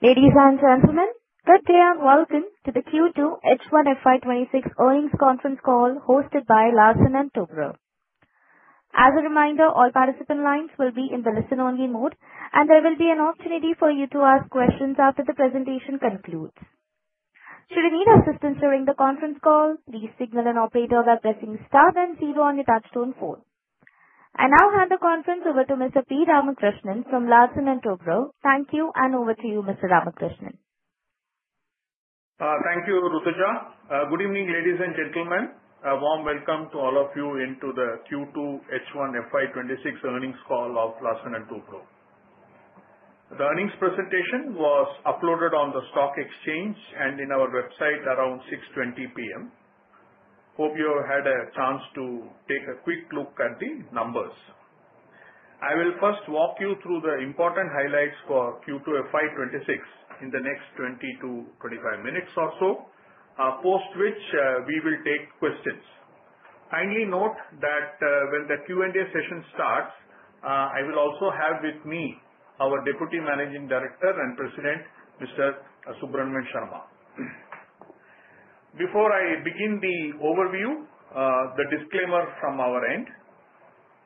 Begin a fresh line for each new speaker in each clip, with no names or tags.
Ladies and gentlemen, good day, and welcome to the Q2 H1 FY 2026 Earnings Conference Call hosted by Larsen & Toubro. As a reminder, all participant lines will be in the listen-only mode, and there will be an opportunity for you to ask questions after the presentation concludes. Should you need assistance during the conference call, please signal an operator by pressing star then zero on your touchtone phone. I now hand the conference over to Mr. P. Ramakrishnan from Larsen & Toubro. Thank you, and over to you, Mr. Ramakrishnan.
Thank you, Rutuja. Good evening, ladies and gentlemen. A warm welcome to all of you into the Q2 H1 FY 2026 Earnings Call of Larsen & Toubro. The earnings presentation was uploaded on the stock exchange and on our website around 6:20 P.M. Hope you had a chance to take a quick look at the numbers. I will first walk you through the important highlights for Q2 FY 2026 in the next 20 to 25 minutes or so, post which we will take questions. Kindly note that when the Q&A session starts, I will also have with me our Deputy Managing Director and President, Mr. Subramanian Sarma. Before I begin the overview, the disclaimer from our end: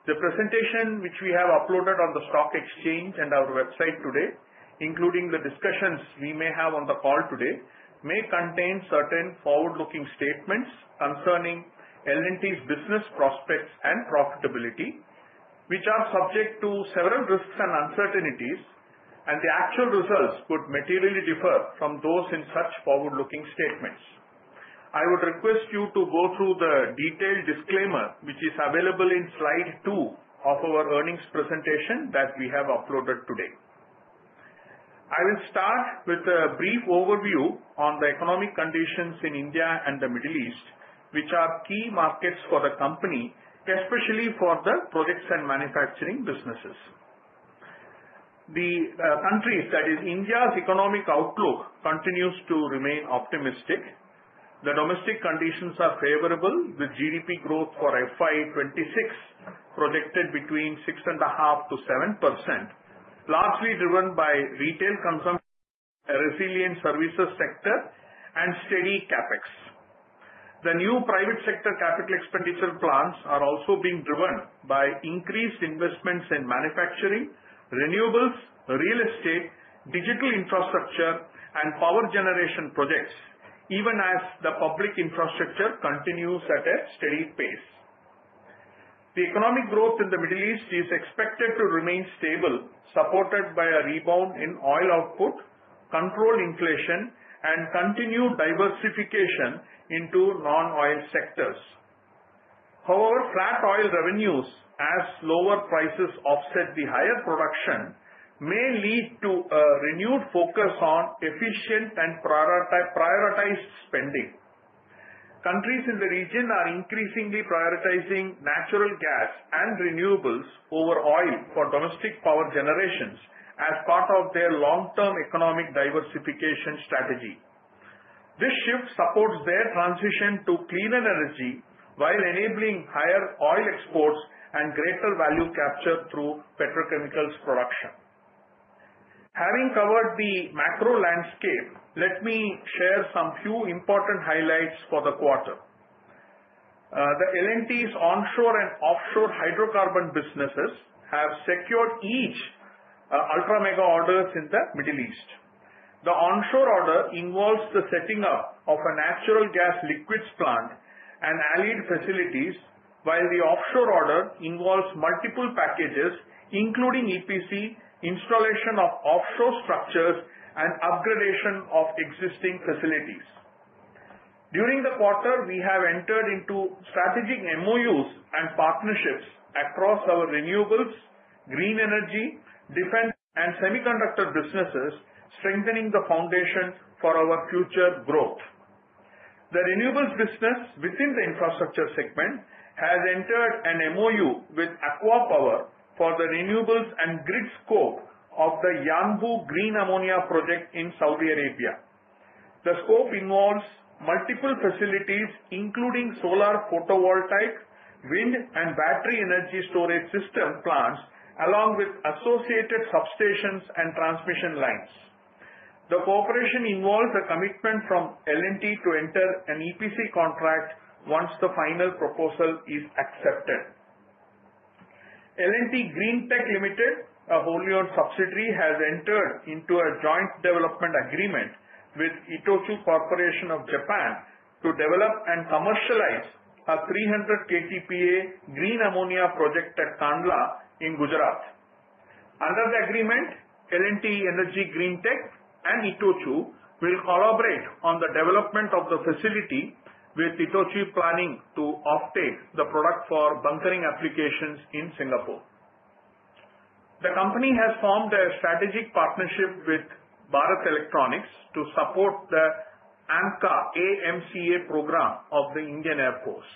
the presentation which we have uploaded on the stock exchange and our website today, including the discussions we may have on the call today, may contain certain forward-looking statements concerning L&T's business prospects and profitability, which are subject to several risks and uncertainties, and the actual results could materially differ from those in such forward-looking statements. I would request you to go through the detailed disclaimer which is available in slide two of our earnings presentation that we have uploaded today. I will start with a brief overview on the economic conditions in India and the Middle East, which are key markets for the company, especially for the products and manufacturing businesses. The country, that is, India's economic outlook continues to remain optimistic. The domestic conditions are favorable, with GDP growth for FY 2026 projected between 6.5% to 7%, largely driven by retail consumption, a resilient services sector, and steady CapEx. The new private sector capital expenditure plans are also being driven by increased investments in Manufacturing, Renewables, Real Estate, Digital Infrastructure, and Power Generation projects, even as the public infrastructure continues at a steady pace. The economic growth in the Middle East is expected to remain stable, supported by a rebound in oil output, controlled inflation, and continued diversification into non-oil sectors. However, flat oil revenues, as lower prices offset the higher production, may lead to a renewed focus on efficient and prioritized spending. Countries in the region are increasingly prioritizing natural gas and renewables over oil for domestic power generations as part of their long-term economic diversification strategy. This shift supports their transition to clean energy while enabling higher oil exports and greater value capture through petrochemicals production. Having covered the macro landscape, let me share some few important highlights for the quarter. The L&T's Onshore and Offshore Hydrocarbon businesses have secured each ultra-mega orders in the Middle East. The Onshore order involves the setting up of a natural gas liquids plant and allied facilities, while the Offshore order involves multiple packages, including EPC, installation of offshore structures, and upgradation of existing facilities. During the quarter, we have entered into strategic MOUs and partnerships across our Renewables, Green Energy, Defense, and Semiconductor businesses, strengthening the foundation for our future growth. The Renewables business within the infrastructure segment has entered an MOU with ACWA Power for the Renewables and grid scope of the Yanbu Green Ammonia Project in Saudi Arabia. The scope involves multiple facilities, including solar, photovoltaic, wind, and battery energy storage system plants, along with associated substations and transmission lines. The cooperation involves a commitment from L&T to enter an EPC contract once the final proposal is accepted. L&T GreenTech Limited, a wholly-owned subsidiary, has entered into a joint development agreement with ITOCHU Corporation of Japan to develop and commercialize a 300 KTPA green ammonia project at Kandla in Gujarat. Under the agreement, L&T Energy GreenTech and ITOCHU will collaborate on the development of the facility, with ITOCHU planning to offtake the product for bunkering applications in Singapore. The company has formed a strategic partnership with Bharat Electronics to support the AMCA program of the Indian Air Force.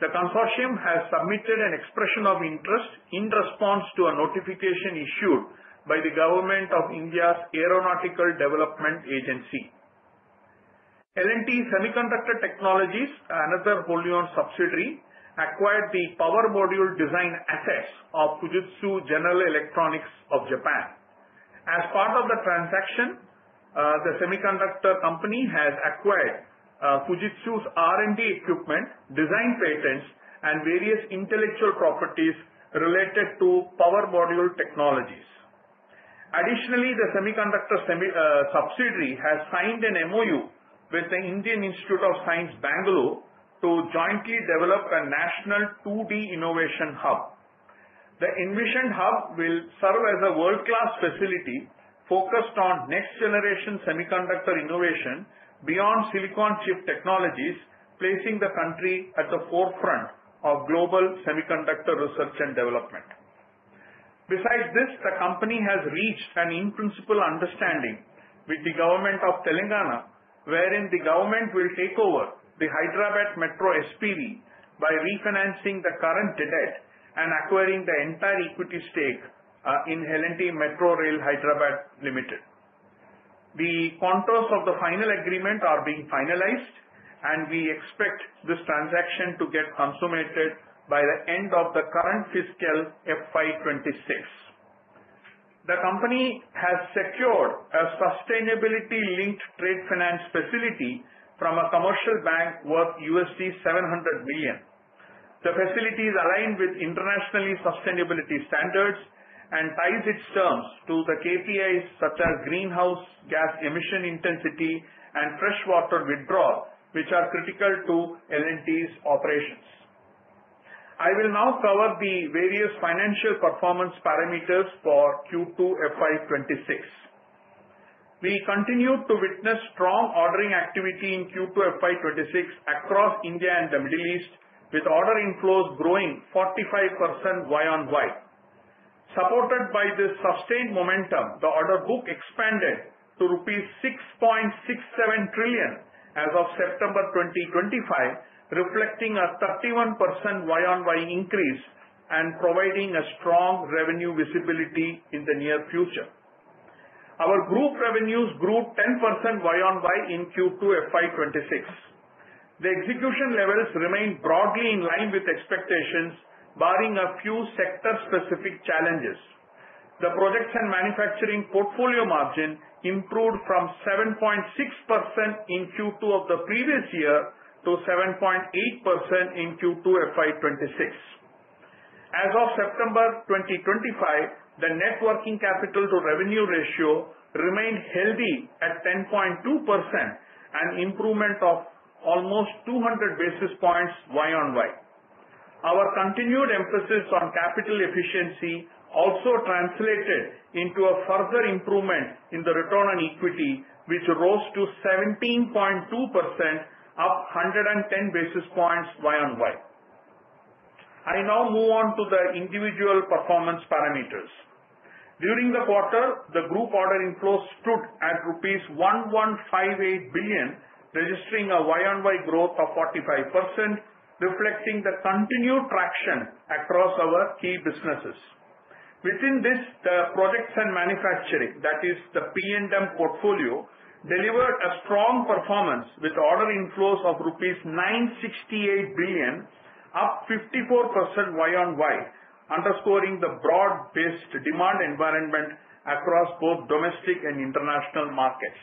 The consortium has submitted an expression of interest in response to a notification issued by the Government of India's Aeronautical Development Agency. L&T Semiconductor Technologies, another wholly-owned subsidiary, acquired the power module design assets of Fujitsu General Electronics of Japan. As part of the transaction, the semiconductor company has acquired Fujitsu's R&D equipment, design patents, and various intellectual properties related to power module technologies. Additionally, the semiconductor subsidiary has signed an MOU with the Indian Institute of Science, Bangalore, to jointly develop a national 2D innovation hub. The envisioned hub will serve as a world-class facility focused on next-generation semiconductor innovation beyond silicon chip technologies, placing the country at the forefront of global semiconductor research and development. Besides this, the company has reached an in-principle understanding with the Government of Telangana, wherein the government will take over the Hyderabad Metro SPV by refinancing the current debt and acquiring the entire equity stake in L&T Metro Rail Hyderabad Limited. The contours of the final agreement are being finalized, and we expect this transaction to get consummated by the end of the current fiscal FY 2026. The company has secured a sustainability-linked trade finance facility from a commercial bank worth $700 million. The facility is aligned with international sustainability standards and ties its terms to the KPIs such as greenhouse gas emission intensity and freshwater withdrawal, which are critical to L&T's operations. I will now cover the various financial performance parameters for Q2 FY 2026. We continue to witness strong ordering activity in Q2 FY 2026 across India and the Middle East, with order inflows growing 45% Y-on-Y. Supported by this sustained momentum, the order book expanded to rupees 6.67 trillion as of September 2025, reflecting a 31% Y-on-Y increase and providing a strong revenue visibility in the near future. Our group revenues grew 10% Y-on-Y in Q2 FY 2026. The execution levels remained broadly in line with expectations, barring a few sector-specific challenges. The Projects & Manufacturing portfolio margin improved from 7.6% in Q2 of the previous year to 7.8% in Q2 FY 2026. As of September 2025, the Net Working Capital to Revenue ratio remained healthy at 10.2%, an improvement of almost 200 basis points Y-on-Y. Our continued emphasis on capital efficiency also translated into a further improvement in the Return on Equity, which rose to 17.2%, up 110 basis points Y-on-Y. I now move on to the individual performance parameters. During the quarter, the group order inflows stood at rupees 1,158 billion, registering a Y-on-Y growth of 45%, reflecting the continued traction across our key businesses. Within this, the Projects & Manufacturing, that is, the P&M portfolio, delivered a strong performance with order inflows of rupees 968 billion, up 54% Y-on-Y, underscoring the broad-based demand environment across both domestic and international markets.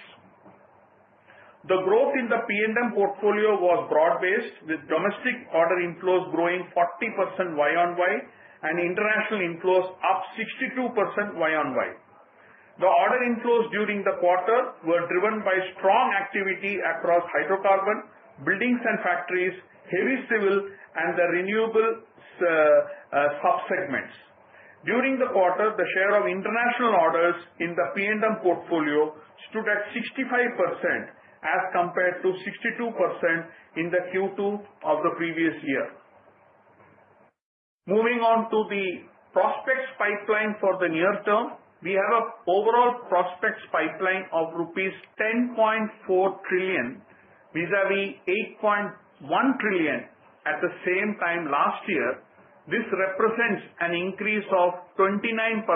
The growth in the P&M portfolio was broad-based, with domestic order inflows growing 40% Y-on-Y and international inflows up 62% Y-on-Y. The order inflows during the quarter were driven by strong activity across Hydrocarbon, Buildings and Factories, Heavy Civil, and the Renewable subsegments. During the quarter, the share of international orders in the P&M portfolio stood at 65% as compared to 62% in the Q2 of the previous year. Moving on to the prospects pipeline for the near term, we have an overall prospects pipeline of rupees 10.4 trillion vis-à-vis 8.1 trillion at the same time last year. This represents an increase of 29%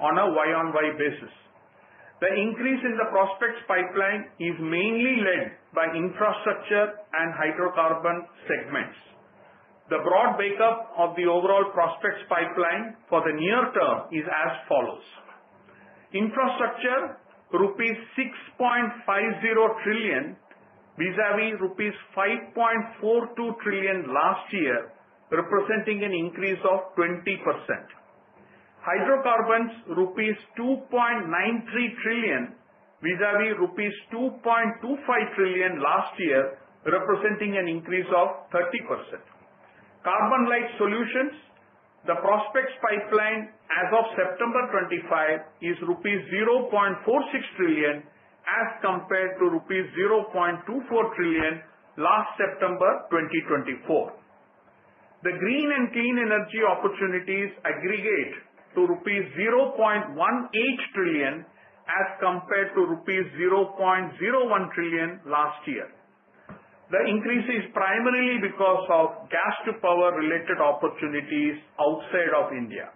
on a Y-on-Y basis. The increase in the prospects pipeline is mainly led by Infrastructure and Hydrocarbon segments. The broad breakup of the overall prospects pipeline for the near term is as follows: Infrastructure: rupees 6.50 trillion vis-à-vis rupees 5.42 trillion last year, representing an increase of 20%. Hydrocarbons: rupees 2.93 trillion vis-à-vis rupees 2.25 trillion last year, representing an increase of 30%. CarbonLite Solutions, the prospects pipeline as of September 2025 is rupees 0.46 trillion as compared to rupees 0.24 trillion last September 2024. The Green and Clean Energy opportunities aggregate to rupees 0.18 trillion as compared to rupees 0.01 trillion last year. The increase is primarily because of Gas to Power-related opportunities outside of India.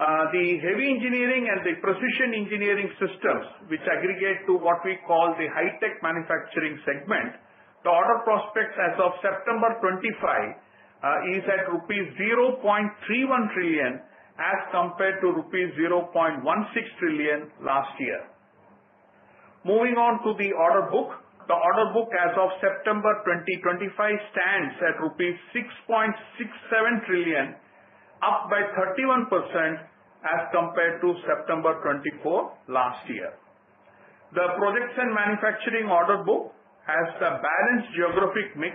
The Heavy Engineering and the Precision Engineering and Systems, which aggregate to what we call the Hi-Tech Manufacturing segment, the order prospects as of September 2025 is at rupees 0.31 trillion as compared to rupees 0.16 trillion last year. Moving on to the order book, the order book as of September 2025 stands at rupees 6.67 trillion, up by 31% as compared to September 2024 last year. The products and manufacturing order book has a balanced geographic mix,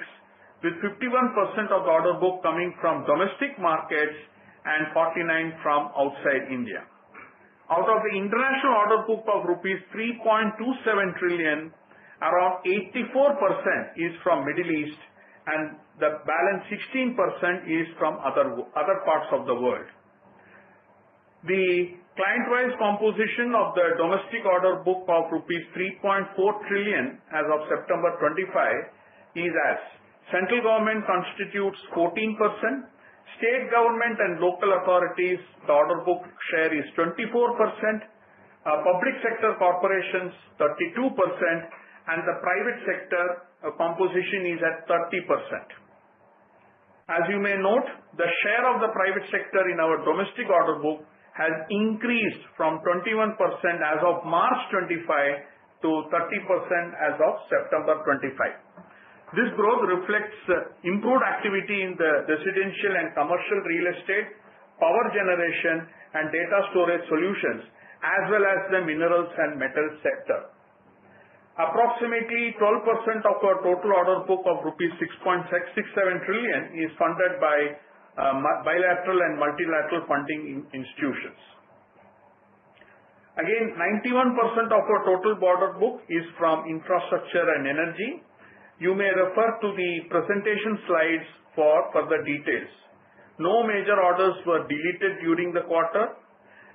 with 51% of the order book coming from domestic markets and 49% from outside India. Out of the International order book of rupees 3.27 trillion, around 84% is from Middle East, and the balance 16% is from other parts of the world. The client-wise composition of the domestic order book of rupees 3.4 trillion as of September 2025 is as: Central Government constitutes 14%. State Government and Local Authorities, the order book share is 24%. Public Sector Corporations 32%, and the Private Sector Composition is at 30%. As you may note, the share of the Private Sector in our domestic order book has increased from 21% as of March 2025 to 30% as of September 2025. This growth reflects improved activity in the Residential and Commercial Real Estate, Power Generation, and Data Storage Solutions, as well as the Minerals and Metals sector. Approximately 12% of our total order book of rupees 6.67 trillion is funded by bilateral and multilateral funding institutions. Again, 91% of our total order book is from infrastructure and energy. You may refer to the presentation slides for further details. No major orders were deleted during the quarter,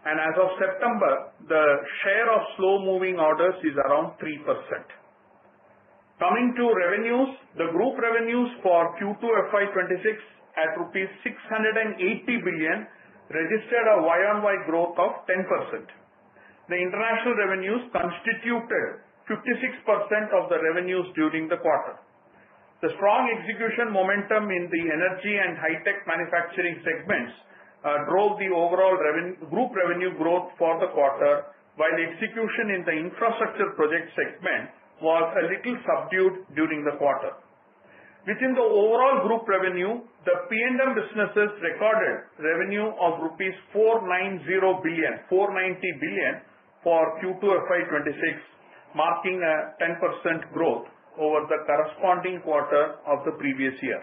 and as of September, the share of slow-moving orders is around 3%. Coming to revenues, the Group Revenues for Q2 FY 2026 at rupees 680 billion registered a Y-on-Y growth of 10%. The international revenues constituted 56% of the revenues during the quarter. The strong execution momentum in the Energy and Hi-Tech Manufacturing segments drove the overall group revenue growth for the quarter, while execution in the Infrastructure Project segment was a little subdued during the quarter. Within the overall group revenue, the P&M businesses recorded revenue of 490 billion for Q2 FY 2026, marking a 10% growth over the corresponding quarter of the previous year.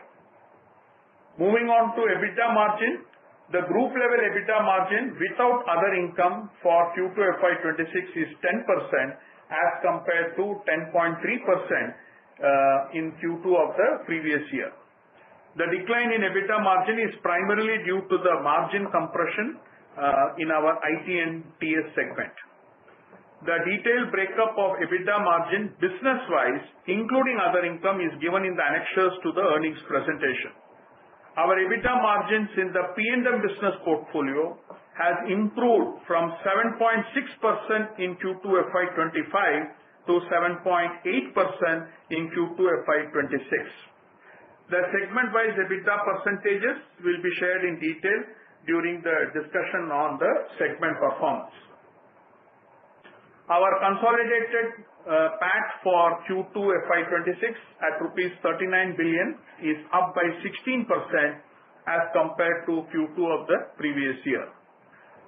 Moving on to EBITDA margin, the Group level EBITDA margin without other income for Q2 FY26 is 10% as compared to 10.3% in Q2 of the previous year. The decline in EBITDA margin is primarily due to the margin compression in our IT&TS segment. The detailed breakup of EBITDA margin business-wise, including other income, is given in the annexes to the earnings presentation. Our EBITDA margin in the P&M business portfolio has improved from 7.6% in Q2 FY 2025 to 7.8% in Q2 FY 2026. The segment-wise EBITDA percentages will be shared in detail during the discussion on the segment performance. Our Consolidated PAT for Q2 FY26 at INR 39 billion is up by 16% as compared to Q2 of the previous year.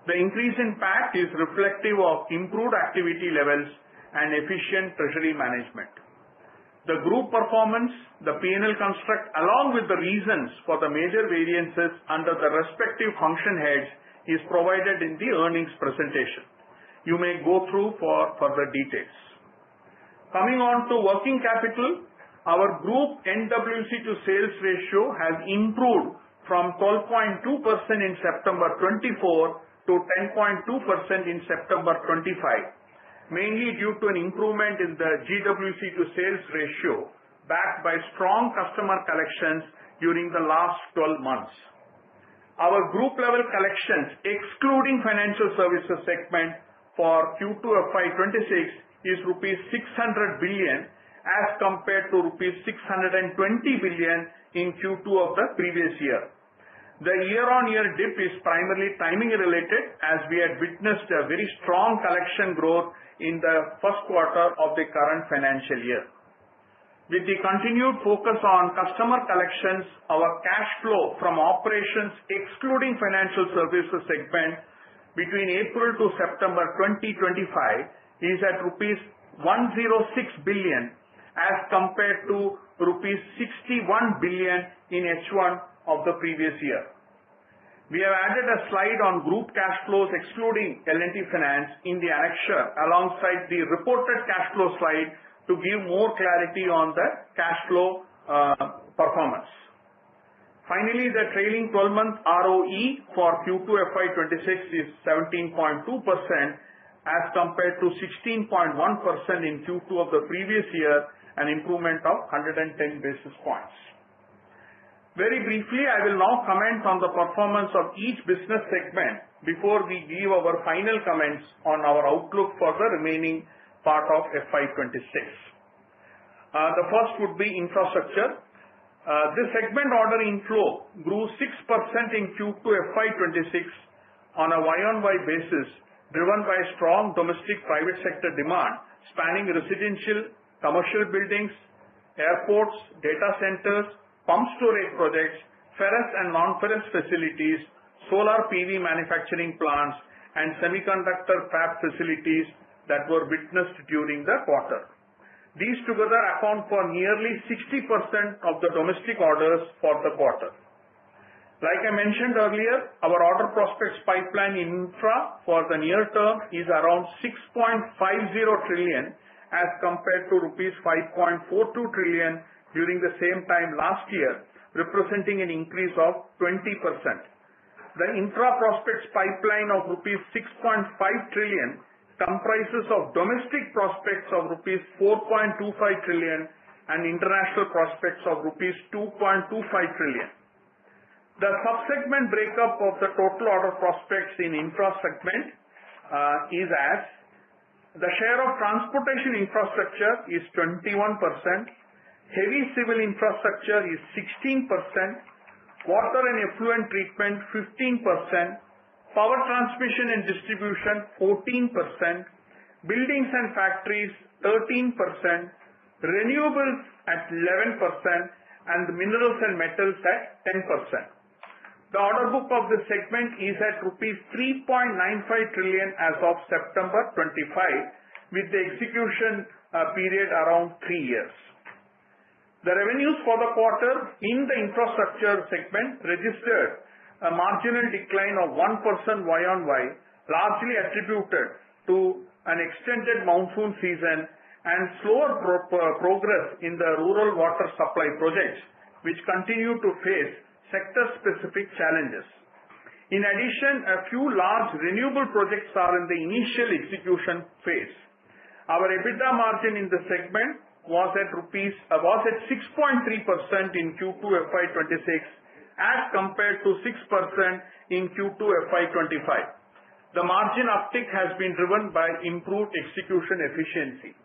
The increase in PAT is reflective of improved activity levels and efficient treasury management. The group performance, the P&L construct, along with the reasons for the major variances under the respective function heads, is provided in the earnings presentation. You may go through for further details. Coming on to working capital, our group NWC to sales ratio has improved from 12.2% in September 2024 to 10.2% in September 2025, mainly due to an improvement in the GWC to sales ratio backed by strong customer collections during the last 12 months. Our group-level collections, excluding financial services segment for Q2 FY 2026, is rupees 600 billion as compared to rupees 620 billion in Q2 of the previous year. The year-on-year dip is primarily timing-related, as we had witnessed a very strong collection growth in the first quarter of the current financial year. With the continued focus on customer collections, our cash flow from operations, excluding financial services segment, between April to September 2025, is at rupees 106 billion as compared to rupees 61 billion in H1 of the previous year. We have added a slide on group cash flows, excluding L&T Finance, in the annexure alongside the reported cash flow slide to give more clarity on the cash flow performance. Finally, the trailing 12-month ROE for Q2 FY 2026 is 17.2% as compared to 16.1% in Q2 of the previous year, an improvement of 110 basis points. Very briefly, I will now comment on the performance of each business segment before we give our final comments on our outlook for the remaining part of FY 2026. The first would be infrastructure. This segment order inflow grew 6% in Q2 FY 2026 on a Y-on-Y basis, driven by strong domestic private sector demand spanning residential, commercial buildings, airports, data centers, pumped storage projects, ferrous and non-ferrous facilities, solar PV manufacturing plants, and semiconductor fab facilities that were witnessed during the quarter. These together account for nearly 60% of the domestic orders for the quarter. Like I mentioned earlier, our order prospects pipeline Infra for the near term is around 6.50 trillion as compared to rupees 5.42 trillion during the same time last year, representing an increase of 20%. The infra prospects pipeline of rupees 6.5 trillion comprises domestic prospects of rupees 4.25 trillion and international prospects of rupees 2.25 trillion. The subsegment breakup of the total order prospects in Infra segment is as: the share of Transportation Infrastructure is 21%, Heavy Civil Infrastructure is 16%, Water and Effluent Treatment 15%, Power Transmission and Distribution 14%, Buildings and Factories 13%, Renewables at 11%, and Minerals & Metals at 10%. The order book of the segment is at rupees 3.95 trillion as of September 2025, with the execution period around three years. The revenues for the quarter in the infrastructure segment registered a marginal decline of 1% Y-on-Y, largely attributed to an extended monsoon season and slower progress in the rural water supply projects, which continue to face sector-specific challenges. In addition, a few large renewable projects are in the initial execution phase. Our EBITDA margin in the segment was at 6.3% in Q2 FY 2026 as compared to 6% in Q2 FY 2025. The margin uptick has been driven by improved execution efficiency.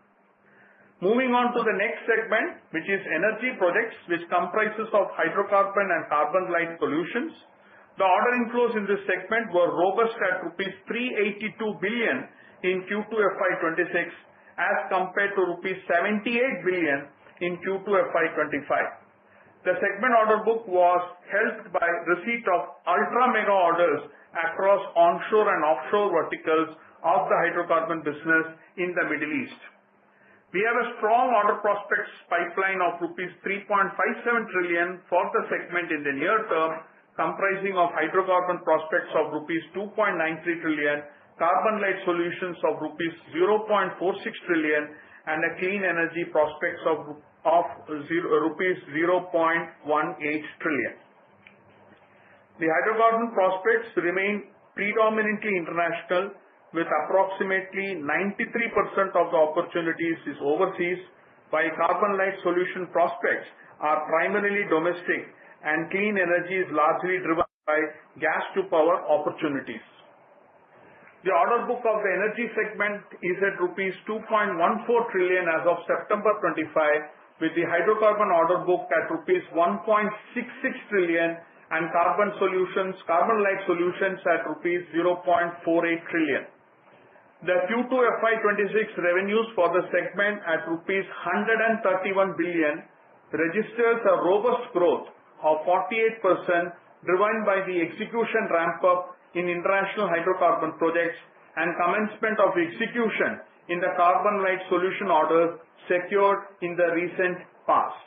Moving on to the next segment, which is Energy Projects, which comprises Hydrocarbon and CarbonLite Solutions. The order inflows in this segment were robust at 382 billion rupees in Q2 FY26 as compared to 78 billion rupees in Q2 FY 2025. The segment order book was helped by receipt of ultra-mega orders across Onshore and Offshore verticals of the Hydrocarbon business in the Middle East. We have a strong order prospects pipeline of rupees 3.57 trillion for the segment in the near term, comprising Hydrocarbon prospects of rupees 2.93 trillion, CarbonLite Solutions of rupees 0.46 trillion, and clean energy prospects of rupees 0.18 trillion. The Hydrocarbon prospects remain predominantly International, with approximately 93% of the opportunities overseas, while CarbonLite Solutions prospects are primarily domestic, and clean energy is largely driven by gas-to-power opportunities. The order book of the Energy segment is at rupees 2.14 trillion as of September 2025, with the Hydrocarbon order book at rupees 1.66 trillion and CarbonLite Solutions at rupees 0.48 trillion. The Q2 FY 2026 revenues for the segment at rupees 131 billion registers a robust growth of 48%, driven by the execution ramp-up in international Hydrocarbon projects and commencement of execution in the CarbonLite Solutions orders secured in the recent past.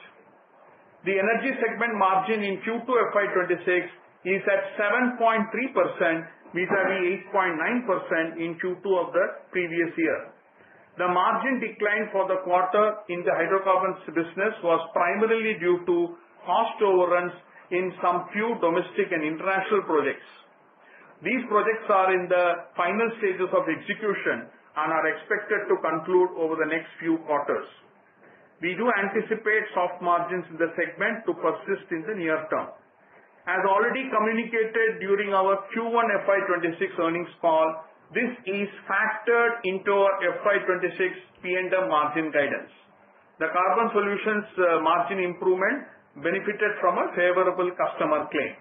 The Energy segment margin in Q2 FY 2026 is at 7.3% vis-à-vis 8.9% in Q2 of the previous year. The margin decline for the quarter in the Hydrocarbon business was primarily due to cost overruns in some few domestic and international projects. These projects are in the final stages of execution and are expected to conclude over the next few quarters. We do anticipate soft margins in the segment to persist in the near term. As already communicated during our Q1 FY 2026 Earnings Call, this is factored into our FY 2026 P&M margin guidance. The carbon solutions margin improvement benefited from a favorable customer claim.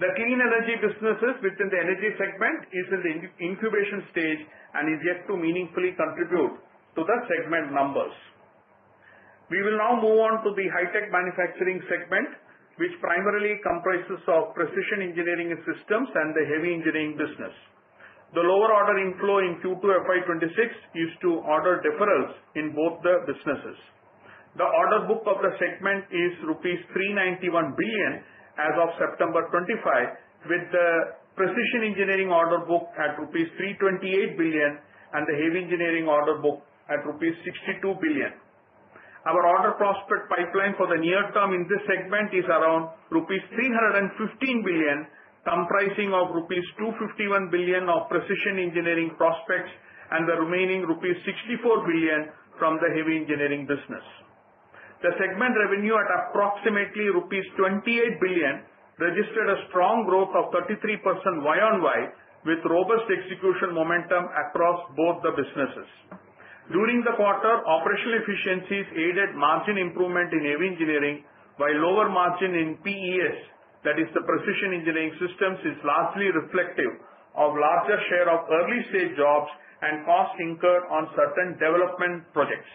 The Clean Energy businesses within the Energy segment are in the incubation stage and are yet to meaningfully contribute to the segment numbers. We will now move on to the Hi-Tech Manufacturing segment, which primarily comprises Precision Engineering Systems and the Heavy Engineering Business. The lower order inflow in Q2 FY 2026 is due to order deferrals in both the businesses. The order book of the segment is rupees 391 billion as of September 2025, with the Precision Engineering order book at rupees 328 billion and the Heavy Engineering order book at rupees 62 billion. Our order prospect pipeline for the near term in this segment is around rupees 315 billion, comprising rupees 251 billion of Precision Engineering prospects and the remaining rupees 64 billion from the Heavy Engineering business. The segment revenue at approximately rupees 28 billion registered a strong growth of 33% Y-on-Y, with robust execution momentum across both the businesses. During the quarter, operational efficiencies aided margin improvement in Heavy Engineering, while lower margin in PES, that is, the Precision Engineering Systems, is largely reflective of a larger share of early-stage jobs and costs incurred on certain development projects.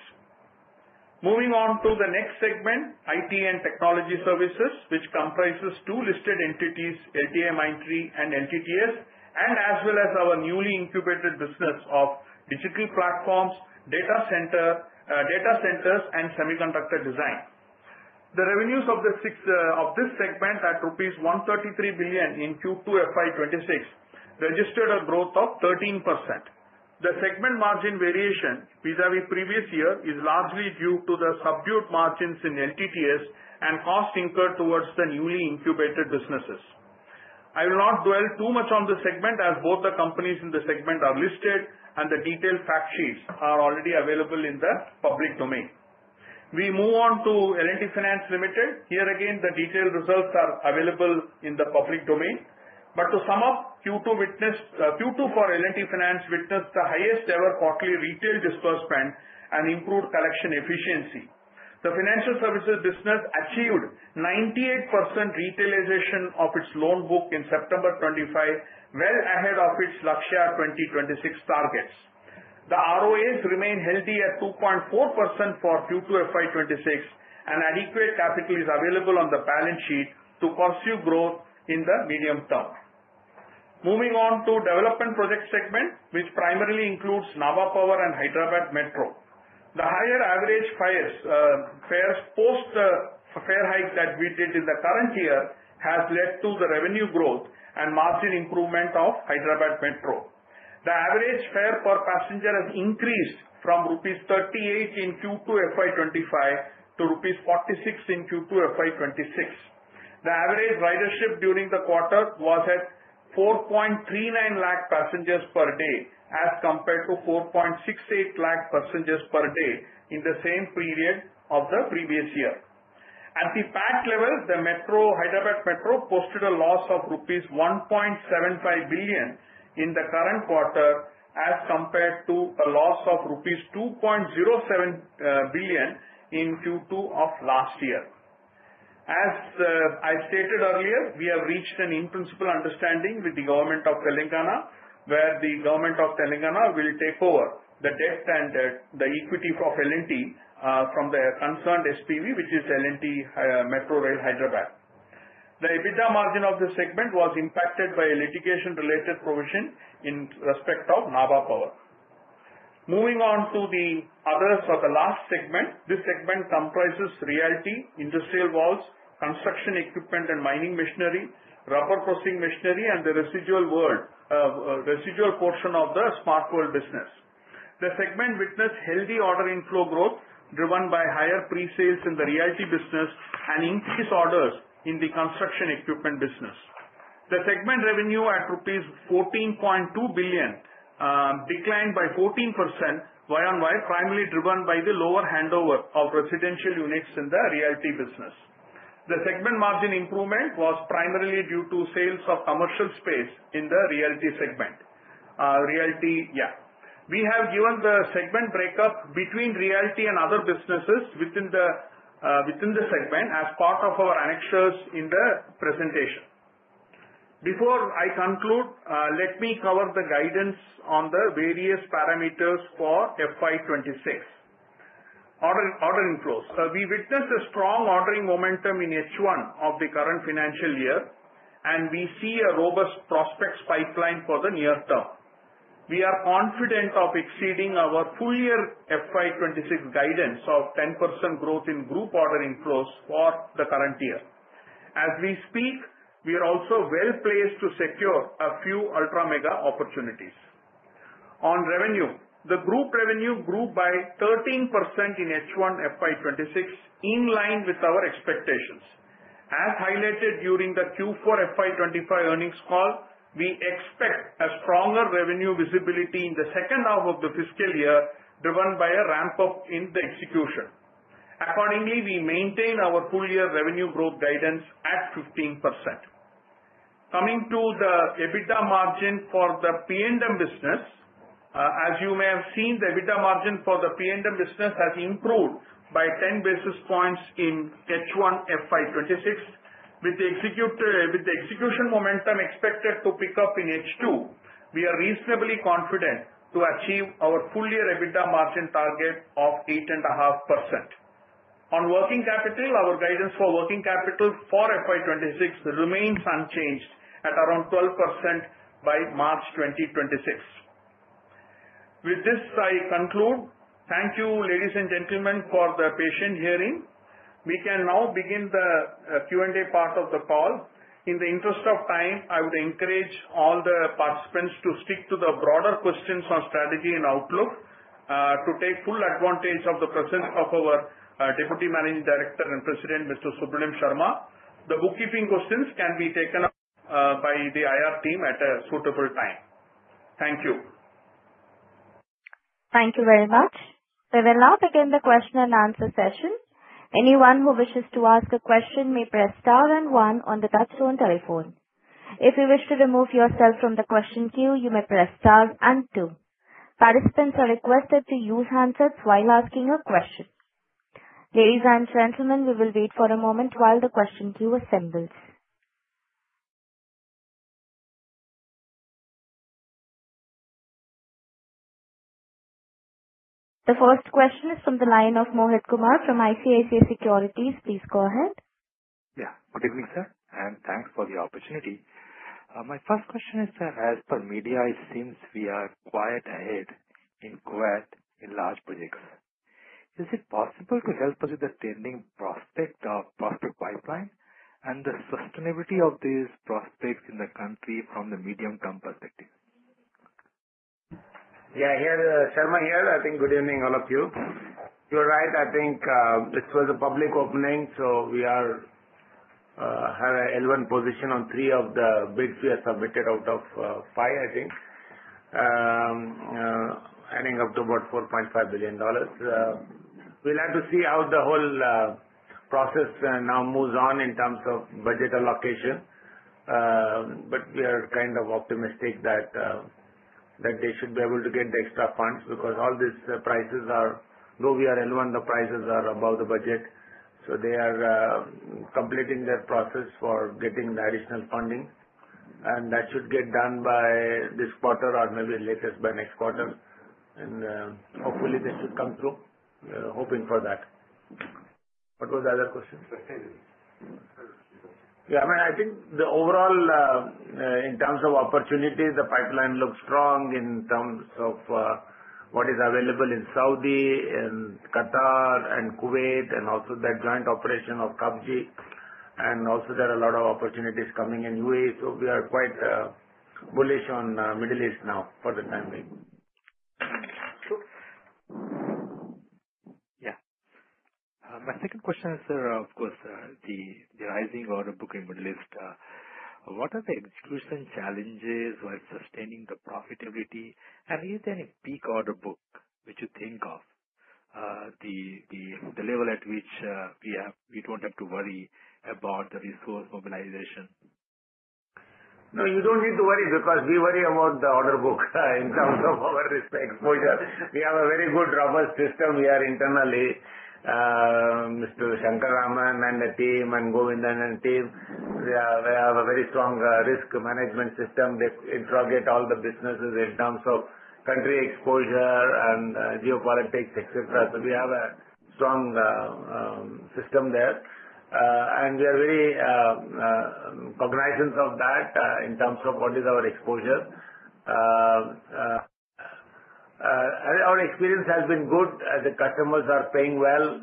Moving on to the next segment, IT and Technology Services, which comprises two listed entities, LTIMindtree and LTTS, and as well as our newly incubated business of digital platforms, data centers, and semiconductor design. The revenues of this segment at rupees 133 billion in Q2 FY 2026 registered a growth of 13%. The segment margin variation vis-à-vis previous year is largely due to the subdued margins in LTTS and costs incurred towards the newly incubated businesses. I will not dwell too much on the segment, as both the companies in the segment are listed, and the detailed fact sheets are already available in the public domain. We move on to L&T Finance Limited. Here again, the detailed results are available in the public domain. But to sum up, Q2 for L&T Finance witnessed the highest-ever quarterly retail disbursement and improved collection efficiency. The financial services business achieved 98% retailization of its loan book in September 2025, well ahead of its Lakshya 2026 targets. The ROAs remain healthy at 2.4% for Q2 FY 2026, and adequate capital is available on the balance sheet to pursue growth in the medium term. Moving on to the Development Projects segment, which primarily includes Nabha Power and Hyderabad Metro. The higher average fare hike that we did in the current year has led to the revenue growth and margin improvement of Hyderabad Metro. The average fare per passenger has increased from rupees 38 in Q2 FY 2025 to rupees 46 in Q2 FY 2026. The average ridership during the quarter was at 4.39 lakh passengers per day as compared to 4.68 lakh passengers per day in the same period of the previous year. At the PAT level, Hyderabad Metro posted a loss of rupees 1.75 billion in the current quarter as compared to a loss of rupees 2.07 billion in Q2 of last year. As I stated earlier, we have reached an in-principle understanding with the Government of Telangana, where the Government of Telangana will take over the debt and the equity of L&T from the concerned SPV, which is L&T Metro Rail Hyderabad. The EBITDA margin of the segment was impacted by a litigation-related provision in respect of Nabha Power. Moving on to the others of the last segment, this segment comprises Realty, Industrial Valves, Construction Equipment and Mining Machinery, Rubber Processing Machinery, and the residual portion of the Smart World Business. The segment witnessed healthy order inflow growth driven by higher pre-sales in the Realty business and increased orders in the Construction Equipment business. The segment revenue at rupees 14.2 billion declined by 14% Y-on-Y, primarily driven by the lower handover of residential units in the Realty business. The segment margin improvement was primarily due to sales of Commercial space in the Realty segment. We have given the segment breakup between Realty and other businesses within the segment as part of our annexes in the presentation. Before I conclude, let me cover the guidance on the various parameters for FY 2026. Order inflows: We witnessed a strong ordering momentum in H1 of the current financial year, and we see a robust prospects pipeline for the near term. We are confident of exceeding our full-year FY 2026 guidance of 10% growth in group order inflows for the current year. As we speak, we are also well placed to secure a few ultra-mega opportunities. On revenue, the group revenue grew by 13% in H1 FY 2026, in line with our expectations. As highlighted during the Q4 FY 2025 earnings call, we expect a stronger revenue visibility in the second half of the fiscal year, driven by a ramp-up in the execution. Accordingly, we maintain our full-year revenue growth guidance at 15%. Coming to the EBITDA margin for the P&M business, as you may have seen, the EBITDA margin for the P&M business has improved by 10 basis points in H1 FY26. With the execution momentum expected to pick up in H2, we are reasonably confident to achieve our full-year EBITDA margin target of 8.5%. On Working Capital, our guidance for working capital for FY 2026 remains unchanged at around 12% by March 2026. With this, I conclude. Thank you, ladies and gentlemen, for the patient hearing. We can now begin the Q&A part of the call. In the interest of time, I would encourage all the participants to stick to the broader questions on strategy and outlook to take full advantage of the presence of our Deputy Managing Director and President, Mr. Subramanian Sarma. The bookkeeping questions can be taken up by the IR team at a suitable time. Thank you.
Thank you very much. We will now begin the question and answer session. Anyone who wishes to ask a question may press star and one on the touchtone telephone. If you wish to remove yourself from the question queue, you may press star and two. Participants are requested to use handsets while asking a question. Ladies and gentlemen, we will wait for a moment while the question queue assembles. The first question is from the line of Mohit Kumar from ICICI Securities. Please go ahead.
Yeah, good evening, sir, and thanks for the opportunity. My first question is, sir, as per media, it seems we are quite ahead in Kuwait in large projects. Is it possible to help us with the tendering prospect or prospect pipeline and the sustainability of these prospects in the country from the medium-term perspective?
Yeah, Sarma here. Good evening, all of you. You're right. I think this was a public opening, so we have an L1 position on three of the bids we have submitted out of five, I think, adding up to about $4.5 billion. We'll have to see how the whole process now moves on in terms of budget allocation, but we are kind of optimistic that they should be able to get the extra funds because all these prices are, though we are L1, the prices are above the budget. So they are completing their process for getting the additional funding, and that should get done by this quarter or maybe latest by next quarter. And hopefully, this should come through. We're hoping for that. What was the other question? Yeah, I mean, I think the overall, in terms of opportunity, the pipeline looks strong in terms of what is available in Saudi and Qatar and Kuwait and also that joint operation of Khafji. And also, there are a lot of opportunities coming in UAE. So we are quite bullish on the Middle East now for the time being.
Yeah. My second question is, sir, of course, the rising order book in the Middle East. What are the execution challenges while sustaining the profitability? And is there any peak order book which you think of, the level at which we don't have to worry about the resource mobilization?
No, you don't need to worry because we worry about the order book in terms of our risk exposure. We have a very good robust system we are internally, Mr. Shankar Raman and the team and Govindan and team. We have a very strong risk management system. They interrogate all the businesses in terms of country exposure and geopolitics, etc., so we have a strong system there, and we are very cognizant of that in terms of what is our exposure. Our experience has been good. The customers are paying well.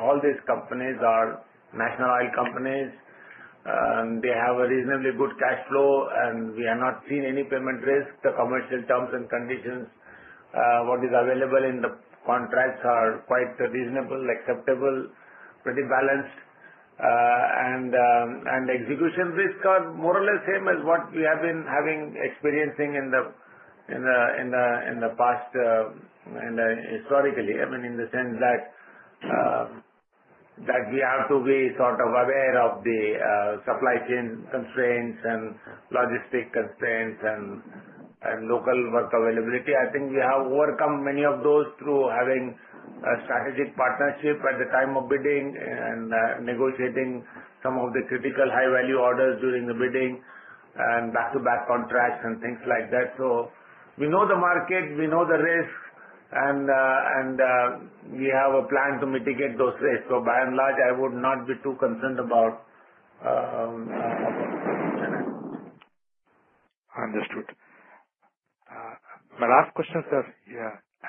All these companies are national oil companies. They have a reasonably good cash flow, and we have not seen any payment risk. The commercial terms and conditions, what is available in the contracts, are quite reasonable, acceptable, pretty balanced. And the execution risk is more or less the same as what we have been experiencing in the past and historically, I mean, in the sense that we have to be sort of aware of the supply chain constraints and logistic constraints and local work availability. I think we have overcome many of those through having a strategic partnership at the time of bidding and negotiating some of the critical high-value orders during the bidding and back-to-back contracts and things like that. So we know the market. We know the risk, and we have a plan to mitigate those risks. So by and large, I would not be too concerned about execution.
Understood. My last question, sir,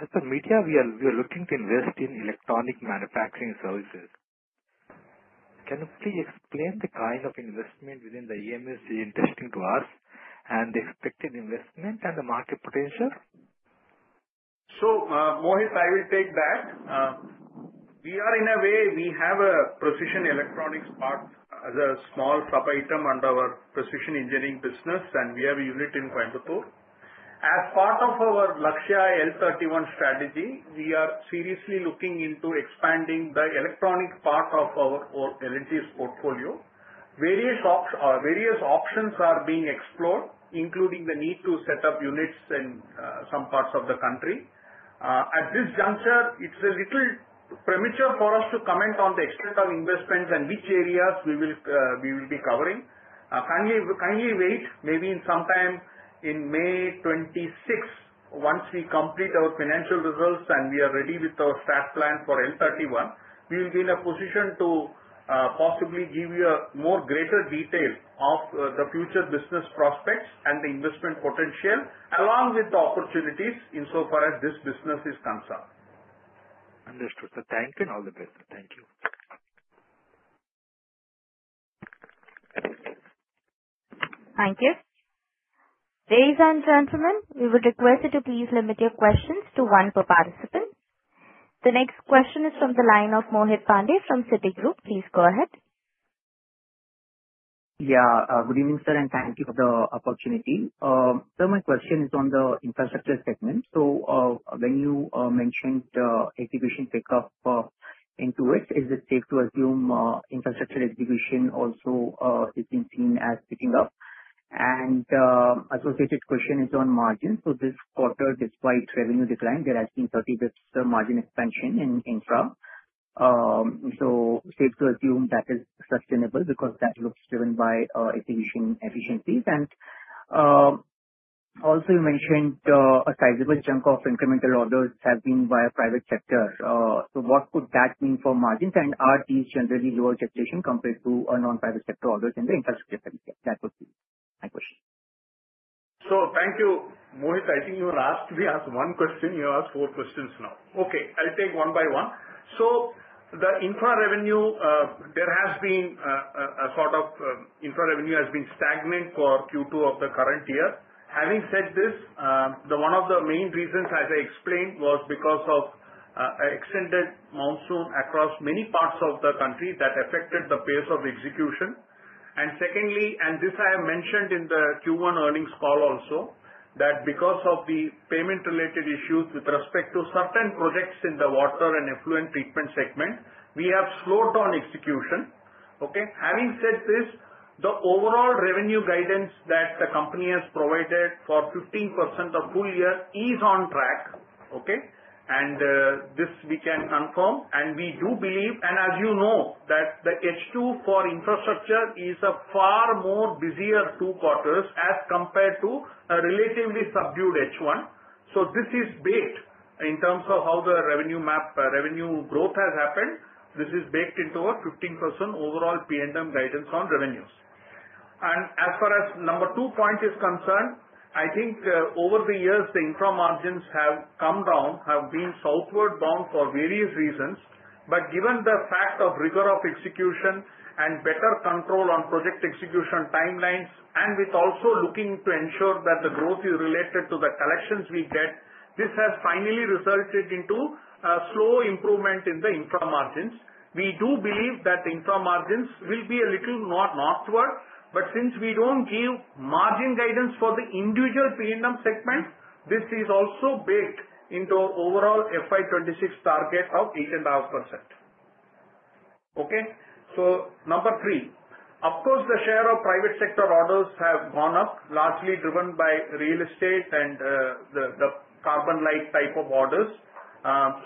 as per media, we are looking to invest in Electronic Manufacturing Services. Can you please explain the kind of investment within the EMS you're interested in to us and the expected investment and the market potential?
So, Mohit, I will take that. We are, in a way, we have a Precision Electronics part as a small sub-item under our Precision Engineering business, and we have a unit in Coimbatore. As part of our Lakshya L31 strategy, we are seriously looking into expanding the electronic part of our L&T's portfolio. Various options are being explored, including the need to set up units in some parts of the country. At this juncture, it's a little premature for us to comment on the extent of investments and which areas we will be covering. Kindly wait, maybe sometime in May 2026, once we complete our financial results and we are ready with our strategic plan for L31, we will be in a position to possibly give you more greater detail of the future business prospects and the investment potential, along with the opportunities insofar as this business is concerned.
Understood. Thank you and all the best. Thank you.
Thank you. Ladies and gentlemen, we would request you to please limit your questions to one per participant. The next question is from the line of Mohit Pandey from Citigroup. Please go ahead.
Yeah. Good evening, sir, and thank you for the opportunity. Sir, my question is on the Infrastructure segment. So when you mentioned execution pickup into it, is it safe to assume infrastructure execution also is being seen as picking up? And associated question is on margin. So this quarter, despite revenue decline, there has been 30 basis points margin expansion in Infra. So safe to assume that is sustainable because that looks driven by execution efficiencies. And also, you mentioned a sizable chunk of incremental orders have been via private sector. So what would that mean for margins? And are these generally lower gestation compared to Non-Private Sector orders in the Infrastructure segment? That would be my question.
So thank you, Mohit. I think you were asked to ask one question. You asked four questions now. Okay. I'll take one by one. So the infra revenue has been sort of stagnant for Q2 of the current year. Having said this, one of the main reasons, as I explained, was because of an extended monsoon across many parts of the country that affected the pace of execution. And secondly, and this I have mentioned in the Q1 earnings call also, that because of the payment-related issues with respect to certain projects in the Water and Effluent treatment segment, we have slowed down execution. Okay. Having said this, the overall revenue guidance that the company has provided for 15% of full year is on track. Okay. And this we can confirm. And we do believe, and as you know, that the H2 for infrastructure is a far more busier two quarters as compared to a relatively subdued H1. So this is baked in terms of how the revenue growth has happened. This is baked into our 15% overall P&M guidance on revenues. And as far as number two point is concerned, I think over the years, the infra margins have come down, have been southward bound for various reasons. But given the fact of rigor of execution and better control on project execution timelines, and with also looking to ensure that the growth is related to the collections we get, this has finally resulted in a slow improvement in the infra margins. We do believe that infra margins will be a little more northward, but since we don't give margin guidance for the individual P&M segment, this is also baked into our overall FY 2026 target of 8.5%. Okay. So number three, of course, the share of private sector orders have gone up, largely driven by Real Estate and the CarbonLite type of orders.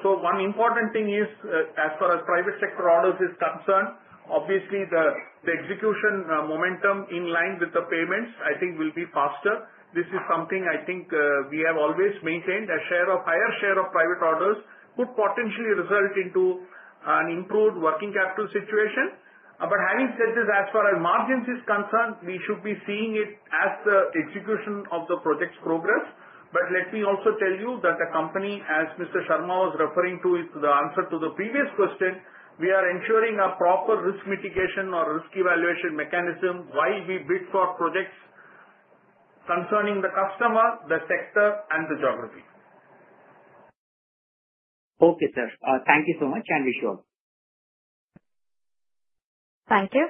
So one important thing is, as far as private sector orders is concerned, obviously, the execution momentum in line with the payments, I think, will be faster. This is something I think we have always maintained. A higher share of private orders could potentially result in an improved working capital situation. But having said this, as far as margins is concerned, we should be seeing it as the execution of the project's progress. But let me also tell you that the company, as Mr. Sarma was referring to, it's the answer to the previous question. We are ensuring a proper risk mitigation or risk evaluation mechanism while we bid for projects concerning the customer, the sector, and the geography.
Okay, sir. Thank you so much. I wish you all the best.
Thank you.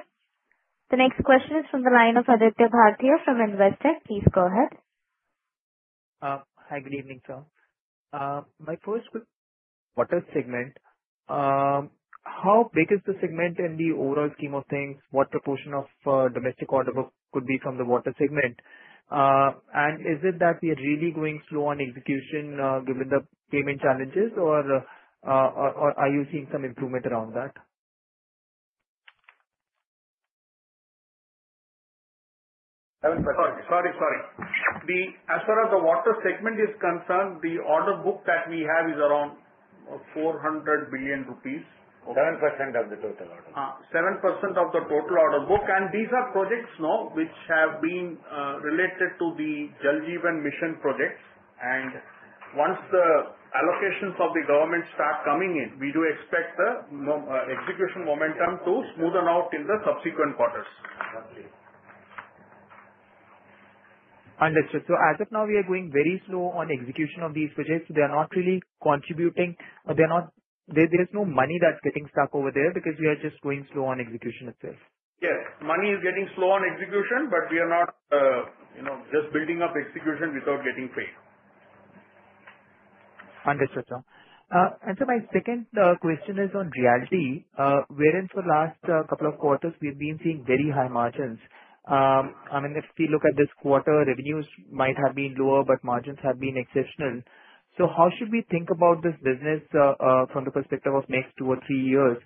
The next question is from the line of Aditya Bhartia from Investec. Please go ahead.
Hi, good evening, sir. My first question. Water segment, how big is the segment in the overall scheme of things? What proportion of domestic order book could be from the Water segment? Is it that we are really going slow on execution given the payment challenges, or are you seeing some improvement around that?
Sorry, sorry. As far as the Water segment is concerned, the order book that we have is around 400 billion rupees. 7% of the total order. 7% of the total order book. And these are projects now which have been related to the Jal Jeevan Mission projects. And once the allocations of the government start coming in, we do expect the execution momentum to smoothen out in the subsequent quarters.
Understood. So as of now, we are going very slow on execution of these projects. They are not really contributing. There's no money that's getting stuck over there because we are just going slow on execution itself.
Yes. Money is getting slow on execution, but we are not just building up execution without getting paid.
Understood, sir. And so my second question is on Realty. Where in the last couple of quarters, we've been seeing very high margins? I mean, if we look at this quarter, revenues might have been lower, but margins have been exceptional. So how should we think about this business from the perspective of next two or three years?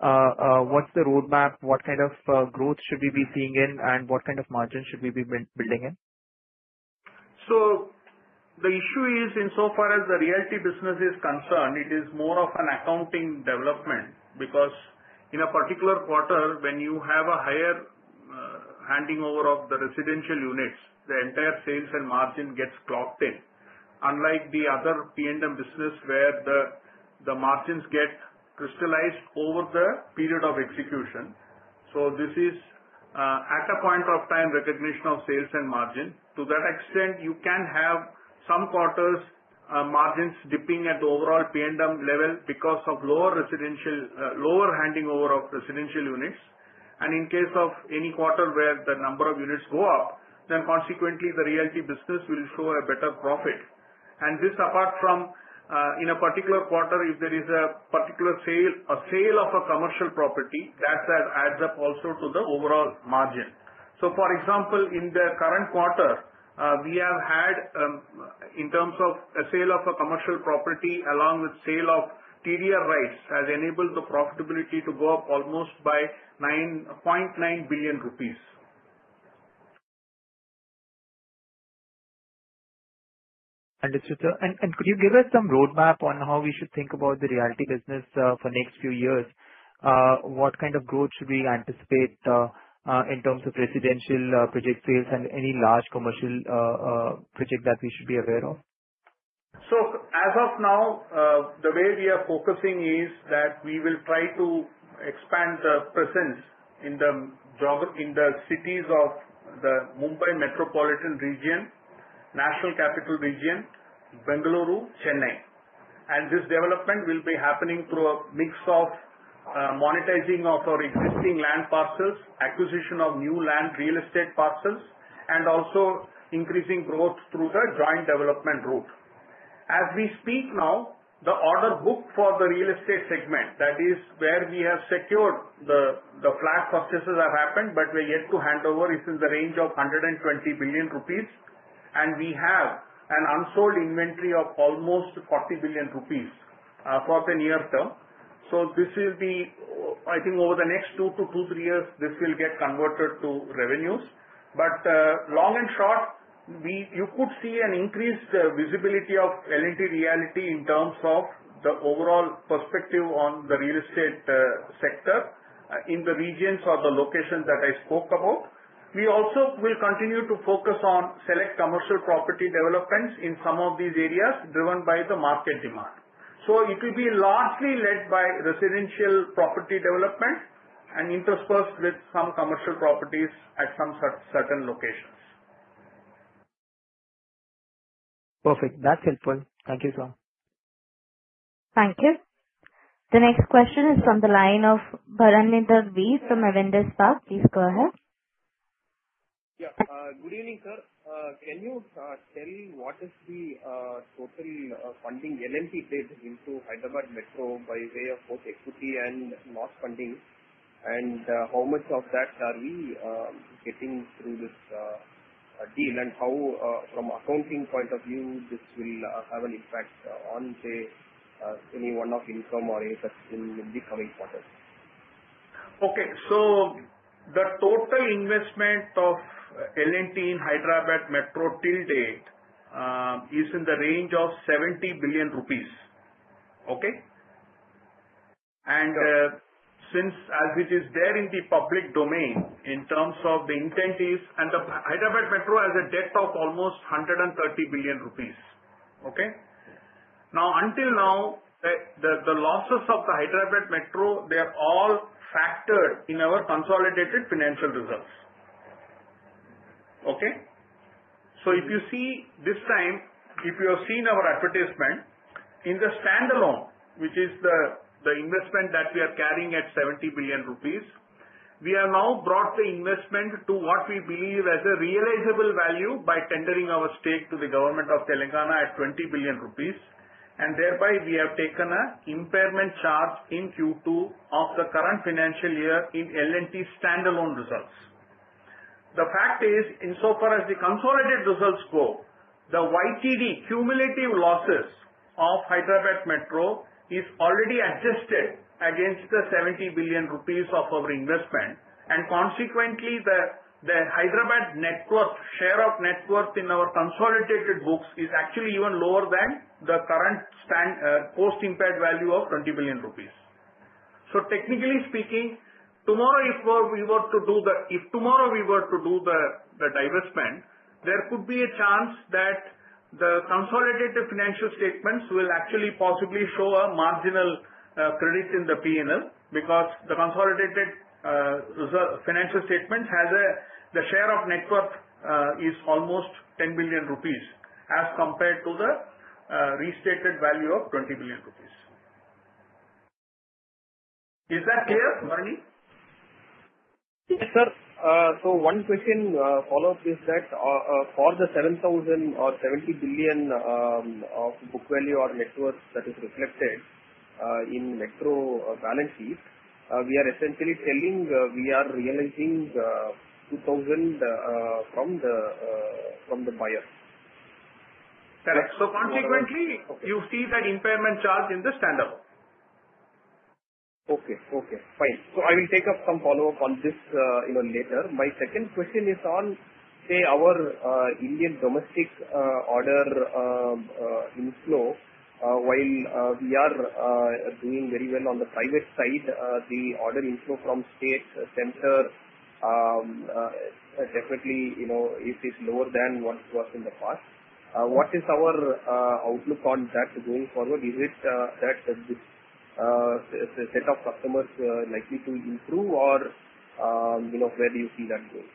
What's the roadmap? What kind of growth should we be seeing in, and what kind of margin should we be building in?
So the issue is, insofar as the Realty business is concerned, it is more of an accounting development because in a particular quarter, when you have a higher handing over of the residential units, the entire sales and margin gets clocked in, unlike the other P&M business where the margins get crystallized over the period of execution. So this is at a point of time recognition of sales and margin. To that extent, you can have some quarters' margins dipping at the overall P&M level because of lower handing over of residential units. And in case of any quarter where the number of units go up, then consequently, the realty business will show a better profit. And this apart from in a particular quarter, if there is a particular sale of a commercial property, that adds up also to the overall margin. So for example, in the current quarter, we have had, in terms of a sale of a commercial property along with sale of TDR rights, has enabled the profitability to go up almost by 9.9 billion rupees.
Understood, sir. And could you give us some roadmap on how we should think about the realty business for next few years? What kind of growth should we anticipate in terms of residential project sales and any large commercial project that we should be aware of?
So as of now, the way we are focusing is that we will try to expand the presence in the cities of the Mumbai Metropolitan Region, National Capital Region, Bengaluru, Chennai. And this development will be happening through a mix of monetizing of our existing land parcels, acquisition of new land, real estate parcels, and also increasing growth through the joint development route. As we speak now, the order book for the Real Estate segment, that is where we have secured the flat purchases have happened, but we're yet to hand over, is in the range of 120 billion rupees. And we have an unsold inventory of almost 40 billion rupees for the near term. So this will be, I think, over the next two to three years, this will get converted to revenues. But long and short, you could see an increased visibility of L&T Realty in terms of the overall perspective on the real estate sector in the regions or the locations that I spoke about. We also will continue to focus on select commercial property developments in some of these areas driven by the market demand. So it will be largely led by residential property development and interspersed with some commercial properties at some certain locations.
Perfect. That's helpful. Thank you, sir.
Thank you. The next question is from the line of Bharanidhar V. from Avendus Spark. Please go ahead.
Yeah. Good evening, sir. Can you tell what is the total funding L&T did into Hyderabad Metro by way of both Equity and loss funding? And how much of that are we getting through this deal? And how, from accounting point of view, this will have an impact on any one-off income or any such thing in the coming quarters?
Okay. So the total investment of L&T in Hyderabad Metro till date is in the range of 70 billion rupees. Okay. And since as it is there in the public domain, in terms of the intent is, and Hyderabad Metro has a debt of almost 130 billion rupees. Okay. Now, until now, the losses of the Hyderabad Metro, they are all factored in our consolidated financial results. Okay. So if you see this time, if you have seen our advertisement, in the Standalone, which is the investment that we are carrying at 70 billion rupees, we have now brought the investment to what we believe as a realizable value by tendering our stake to the Government of Telangana at 20 billion rupees. And thereby, we have taken an impairment charge in Q2 of the current financial year in L&T standalone results. The fact is, insofar as the consolidated results go, the YTD cumulative losses of Hyderabad Metro is already adjusted against the 70 billion rupees of our investment. And consequently, the Hyderabad net worth, share of net worth in our consolidated books is actually even lower than the current post-impaired value of 20 billion rupees. So technically speaking, tomorrow, if tomorrow we were to do the divestment, there could be a chance that the consolidated financial statements will actually possibly show a marginal credit in the P&L because the consolidated financial statements has a share of net worth [that] is almost 10 billion rupees as compared to the restated value of 20 billion rupees. Is that clear, Bharanidhar?
Yes, sir. So one question follow-up is that for the 7000 crore of book value or net worth that is reflected in Metro balance sheet, we are essentially realizing 2000 from the buyer?
Correct. So consequently, you see the impairment charge in the Standalone.
Okay. Fine. So, I will take up some follow-up in this later. My second question is on, say, our Indian domestic order inflow, while we are doing very well on the private side, the order inflow from state/central definitely is lower than what it was in the past. What is our outlook on that going forward? Is it that this set of customers likely to improve, or where do you see that going?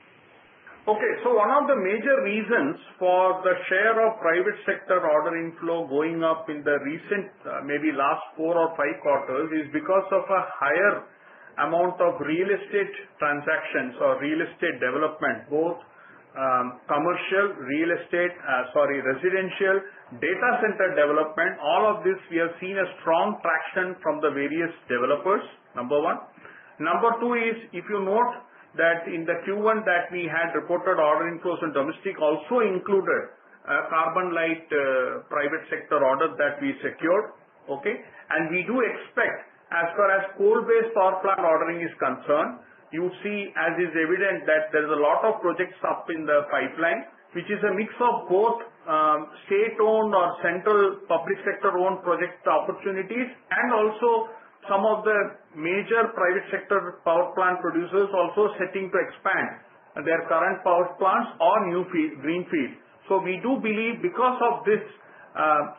Okay. So one of the major reasons for the share of private sector order inflow going up in the recent, maybe last four or five quarters, is because of a higher amount of real estate transactions or real estate development, both commercial real estate, sorry, residential, data center development. All of this, we have seen a strong traction from the various developers, number one. Number two is, if you note that in the Q1 that we had reported, order inflows in domestic also included CarbonLite private sector orders that we secured. Okay. And we do expect, as far as coal-based power plant ordering is concerned, you see, as is evident, that there is a lot of projects up in the pipeline, which is a mix of both state-owned or central public sector-owned project opportunities and also some of the major private sector power plant producers also set to expand their current power plants or new greenfield. So we do believe because of this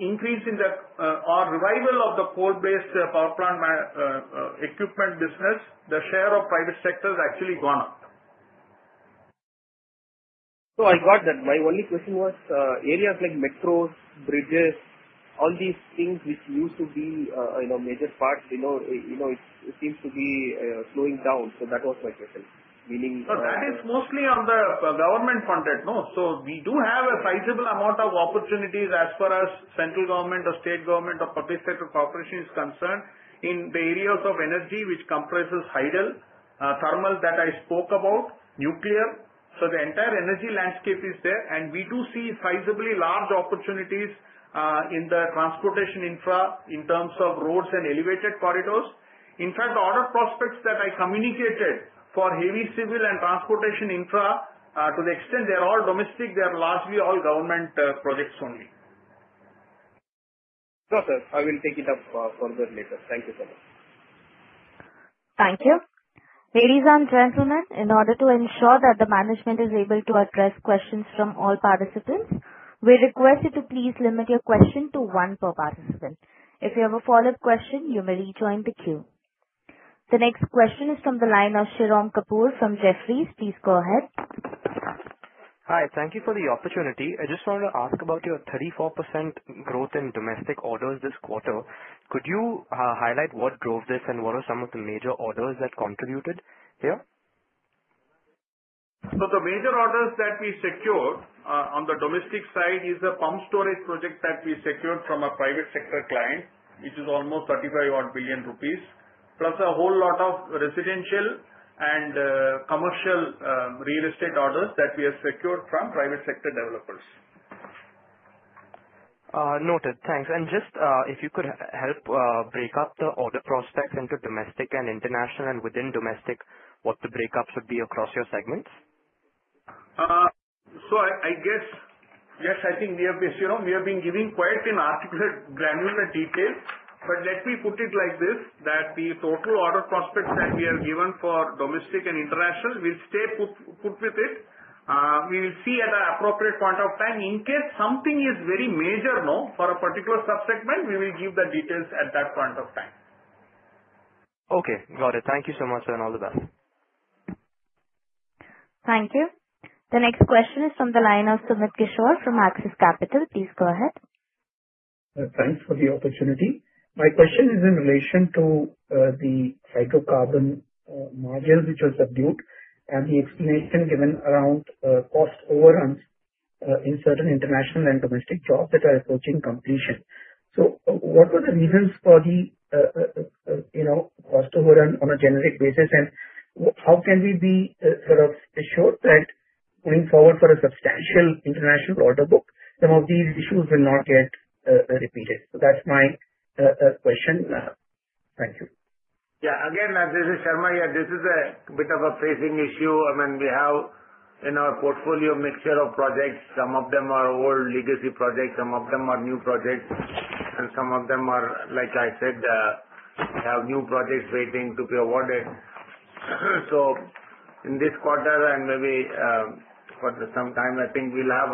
increase or revival of the coal-based power plant equipment business, the share of private sector is actually gone up.
So I got that. My only question was areas like metros, bridges, all these things which used to be major parts, it seems to be slowing down. So that was my question. Meaning...
That is mostly on the government funded no. So we do have a sizable amount of opportunities as far as Central Government or State Government or Public Sector Corporation is concerned in the areas of Energy which comprises Hydel, Thermal that I spoke about, Nuclear. So the entire energy landscape is there. And we do see sizably large opportunities in the Transportation Infra in terms of Roads and Elevated Corridors. In fact, the order prospects that I communicated for Heavy Civil and Transportation Infra to the extent they are all domestic, they are largely all government projects only.
No, sir. I will take it up further later. Thank you so much.
Thank you. Ladies and gentlemen, in order to ensure that the management is able to address questions from all participants, we request you to please limit your question to one per participant. If you have a follow-up question, you may rejoin the queue. The next question is from the line of Shirom Kapur from Jefferies. Please go ahead.
Hi. Thank you for the opportunity. I just wanted to ask about your 34% growth in domestic orders this quarter. Could you highlight what drove this and what are some of the major orders that contributed here?
So the major orders that we secured on the domestic side is a pumped storage project that we secured from a private sector client, which is almost 35 billion rupees, plus a whole lot of Residential and Commercial Real Estate orders that we have secured from private sector developers.
Noted. Thanks. And just if you could help break up the order prospects into domestic and international and within domestic, what the breakups would be across your segments?
So I guess, yes, I think we have been giving quite an articulate, granular detail. But let me put it like this, that the total order prospects that we have given for domestic and international will stay put with it. We will see at an appropriate point of time. In case something is very major now for a particular subsegment, we will give the details at that point of time.
Okay. Got it. Thank you so much, sir, and all the best. Thank you.
The next question is from the line of Sumit Kishore from Axis Capital. Please go ahead.
Thanks for the opportunity. My question is in relation to the Hydrocarbon margins which were subdued and the explanation given around cost overruns in certain international and domestic jobs that are approaching completion. So what were the reasons for the cost overrun on a generic basis, and how can we be sort of assured that going forward for a substantial international order book, some of these issues will not get repeated, so that's my question. Thank you.
Yeah. Again, this is Sarma, yeah, this is a bit of a pressing issue. I mean, we have in our portfolio a mixture of projects. Some of them are old legacy projects. Some of them are new projects, and some of them are, like I said, have new projects waiting to be awarded, so in this quarter and maybe for some time, I think we'll have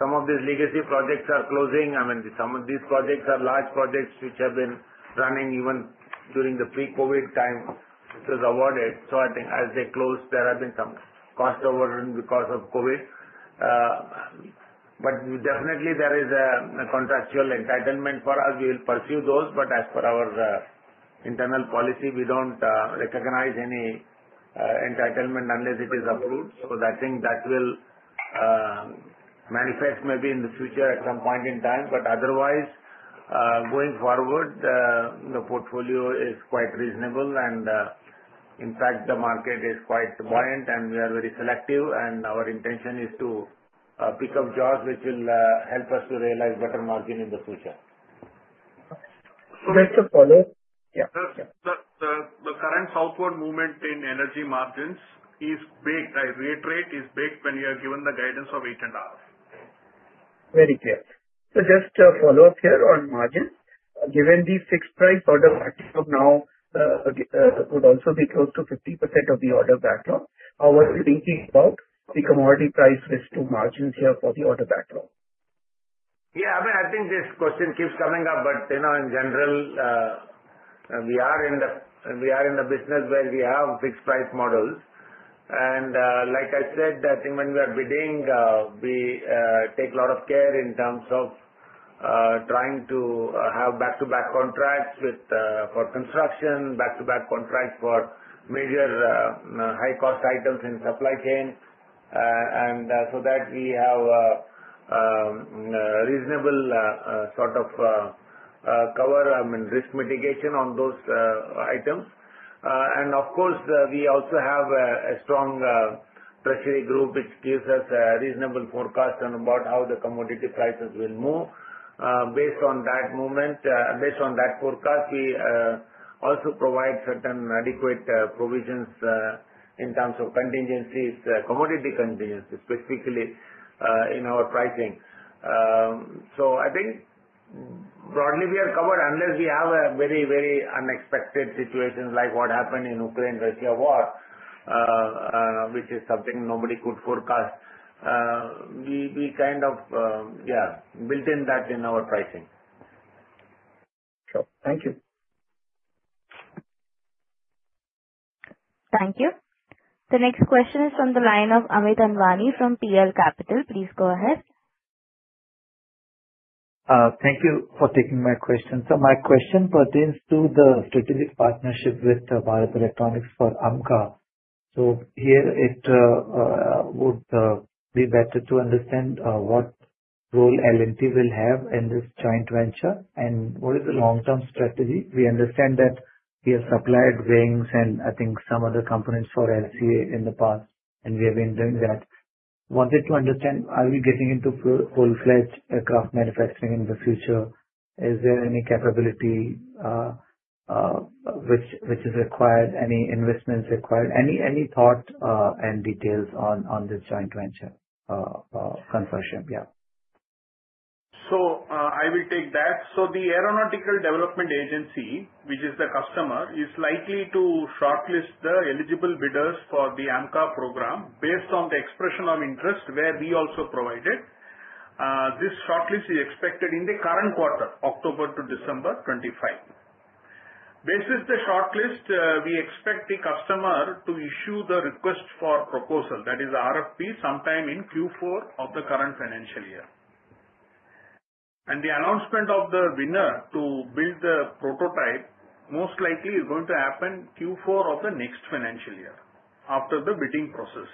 some of these legacy projects are closing. I mean, some of these projects are large projects which have been running even during the pre-COVID time which was awarded. So, I think as they close, there have been some cost overruns because of COVID. But definitely, there is a contractual entitlement for us. We will pursue those. But as per our internal policy, we don't recognize any entitlement unless it is approved. So, I think that will manifest maybe in the future at some point in time. But otherwise, going forward, the portfolio is quite reasonable. And in fact, the market is quite buoyant, and we are very selective. And our intention is to pick up jobs which will help us to realize better margin in the future.
So just to follow up. Yeah. The current southward movement in Energy margins is baked. I reiterate, is baked when you are given the guidance of eight and a half.
Very clear. So just to follow up here on margins, given the fixed price order backlog now would also be close to 50% of the order backlog, how would you think about the commodity price residual margins here for the order backlog?
Yeah. I mean, I think this question keeps coming up. But in general, we are in the business where we have fixed price models. And like I said, I think when we are bidding, we take a lot of care in terms of trying to have back-to-back contracts for construction, back-to-back contracts for major high-cost items in supply chain, and so that we have a reasonable sort of cover, I mean, risk mitigation on those items. And of course, we also have a strong treasury group which gives us a reasonable forecast on about how the commodity prices will move. Based on that movement, based on that forecast, we also provide certain adequate provisions in terms of contingencies, commodity contingencies, specifically in our pricing. So I think broadly, we are covered unless we have a very, very unexpected situation like what happened in Ukraine-Russia war, which is something nobody could forecast. We kind of, yeah, built in that in our pricing.
Sure. Thank you.
Thank you. The next question is from the line of Amit Anwani from PL Capital. Please go ahead.
Thank you for taking my question. So my question pertains to the strategic partnership with Bharat Electronics for AMCA. So here, it would be better to understand what role L&T will have in this joint venture and what is the long-term strategy. We understand that we have supplied wings and I think some other components for LCA in the past, and we have been doing that. Wanted to understand, are we getting into full-fledged aircraft manufacturing in the future? Is there any capability which is required? Any investments required? Any thought and details on this joint venture consortium? Yeah.
So I will take that. So the Aeronautical Development Agency, which is the customer, is likely to shortlist the eligible bidders for the AMCA program based on the Expression of Interest where we also provided. This shortlist is expected in the current quarter, October to December 2025. Based on the shortlist, we expect the customer to issue the request for proposal, that is RFP, sometime in Q4 of the current financial year. And the announcement of the winner to build the prototype most likely is going to happen Q4 of the next financial year after the bidding process.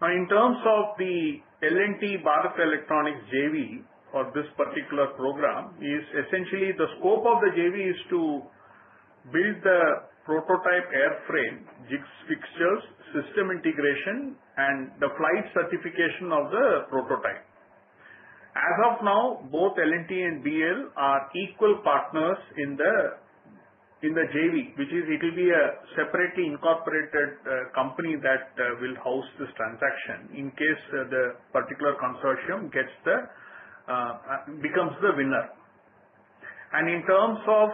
Now, in terms of the L&T Bharat Electronics JV for this particular program, essentially, the scope of the JV is to build the prototype airframe, jigs, fixtures, system integration, and the flight certification of the prototype. As of now, both L&T and BEL are equal partners in the JV, which is, it will be a separately incorporated company that will house this transaction in case the particular consortium becomes the winner, and in terms of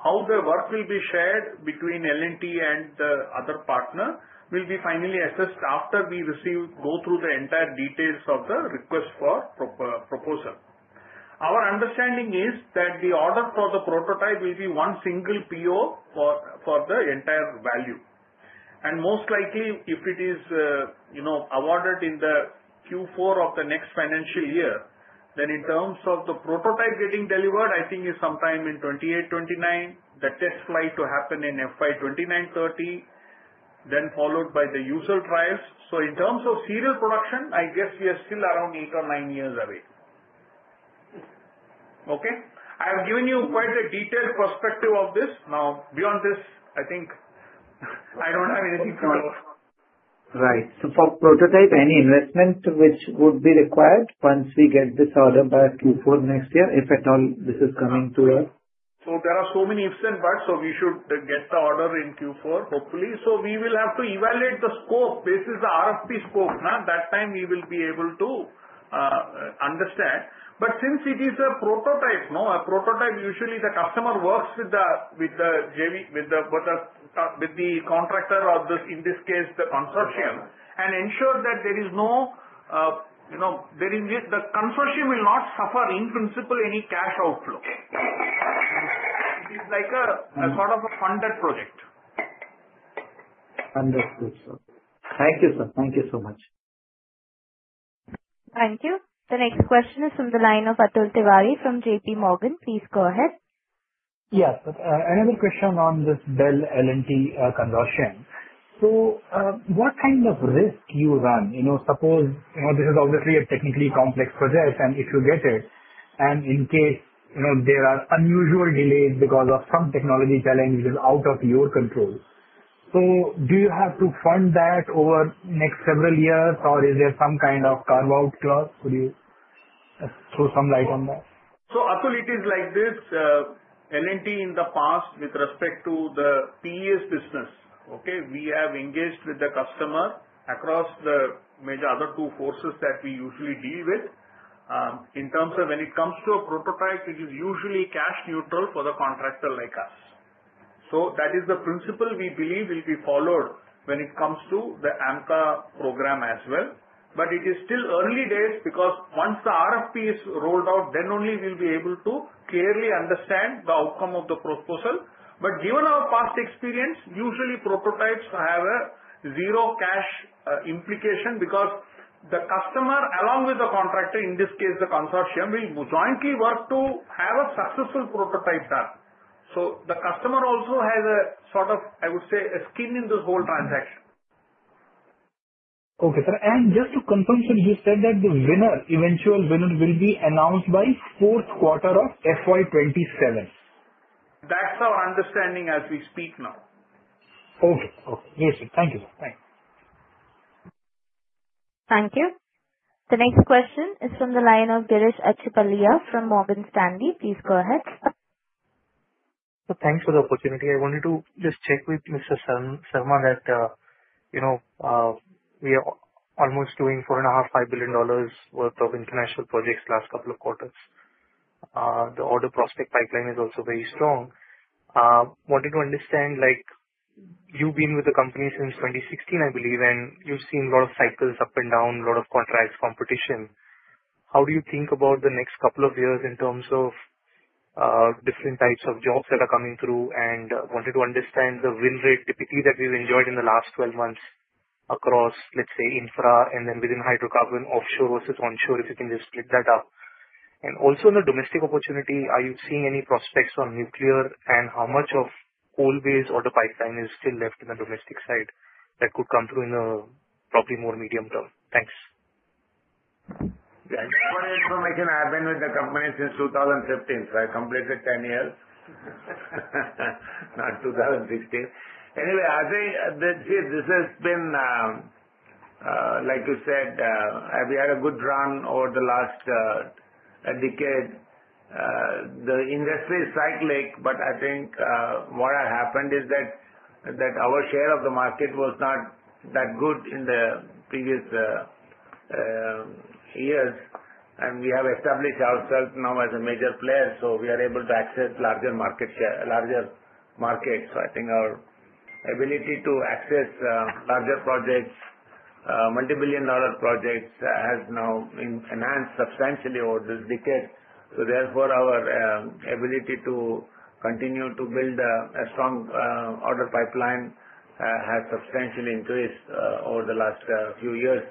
how the work will be shared between L&T and the other partner will be finally assessed after we go through the entire details of the Request for Proposal. Our understanding is that the order for the prototype will be one single PO for the entire value. And most likely, if it is awarded in the Q4 of the next financial year, then in terms of the prototype getting delivered, I think it's sometime in 2028, 2029. The test flight to happen in FY 2029, 2030, then followed by the user trials. So in terms of serial production, I guess we are still around eight or nine years away. Okay. I have given you quite a detailed perspective of this. Now, beyond this, I think I don't have anything to close.
Right. So for prototype, any investment which would be required once we get this order back Q4 next year, if at all this is coming to us?
So there are so many ifs and buts, so we should get the order in Q4, hopefully. So we will have to evaluate the scope based on the RFP scope. That time, we will be able to understand. But since it is a prototype, usually the customer works with the JV, with the contractor, or in this case, the consortium, and ensure that there is no, the consortium will not suffer, in principle, any cash outflow. It is like a sort of a funded project.
Understood, sir. Thank you, sir. Thank you so much.
Thank you. The next question is from the line of Atul Tiwari from J.P. Morgan. Please go ahead.
Yes. Another question on this BEL L&T consortium. So what kind of risk do you run? Suppose this is obviously a technically complex project, and if you get it, and in case there are unusual delays because of some technology challenge which is out of your control, so do you have to fund that over the next several years, or is there some kind of carve-out clause? Could you throw some light on that?
So Atul, it is like this. L&T in the past, with respect to the PES business, okay, we have engaged with the customer across the major other two forces that we usually deal with. In terms of when it comes to a prototype, it is usually cash neutral for the contractor like us. So that is the principle we believe will be followed when it comes to the AMCA program as well. But it is still early days because once the RFP is rolled out, then only we'll be able to clearly understand the outcome of the proposal. But given our past experience, usually prototypes have a zero cash implication because the customer, along with the contractor, in this case, the consortium, will jointly work to have a successful prototype done. So the customer also has a sort of, I would say, a skin in this whole transaction.
Okay, sir. And just to confirm, sir, you said that the eventual winner will be announced by fourth quarter of FY 2027.
That's our understanding as we speak now.
Okay. Okay. Yes, sir. Thank you, sir. Thanks.
Thank you. The next question is from the line of Girish Achhipalia from Morgan Stanley. Please go ahead.
So thanks for the opportunity. I wanted to just check with Mr. Sarma that we are almost doing $4.5-$5 billion worth of international projects last couple of quarters. The order prospect pipeline is also very strong. Wanted to understand, you've been with the company since 2016, I believe, and you've seen a lot of cycles up and down, a lot of contracts, competition. How do you think about the next couple of years in terms of different types of jobs that are coming through? And wanted to understand the win rate typically that we've enjoyed in the last 12 months across, let's say, Infra and then within Hydrocarbon, Offshore versus Onshore, if you can just split that up. And also in the domestic opportunity, are you seeing any prospects on nuclear and how much of coal-based order pipeline is still left in the domestic side that could come through in the probably more medium term? Thanks.
What is it that can happen with the company since 2015, sir? Completely 10 years. Not 2016. Anyway, I think this has been, like you said, we had a good run over the last decade. The industry is cyclical, but I think what has happened is that our share of the market was not that good in the previous years. We have established ourselves now as a major player, so we are able to access larger market share, larger market, so I think our ability to access larger projects, multi-billion-dollar projects, has now enhanced substantially over this decade, so therefore, our ability to continue to build a strong order pipeline has substantially increased over the last few years.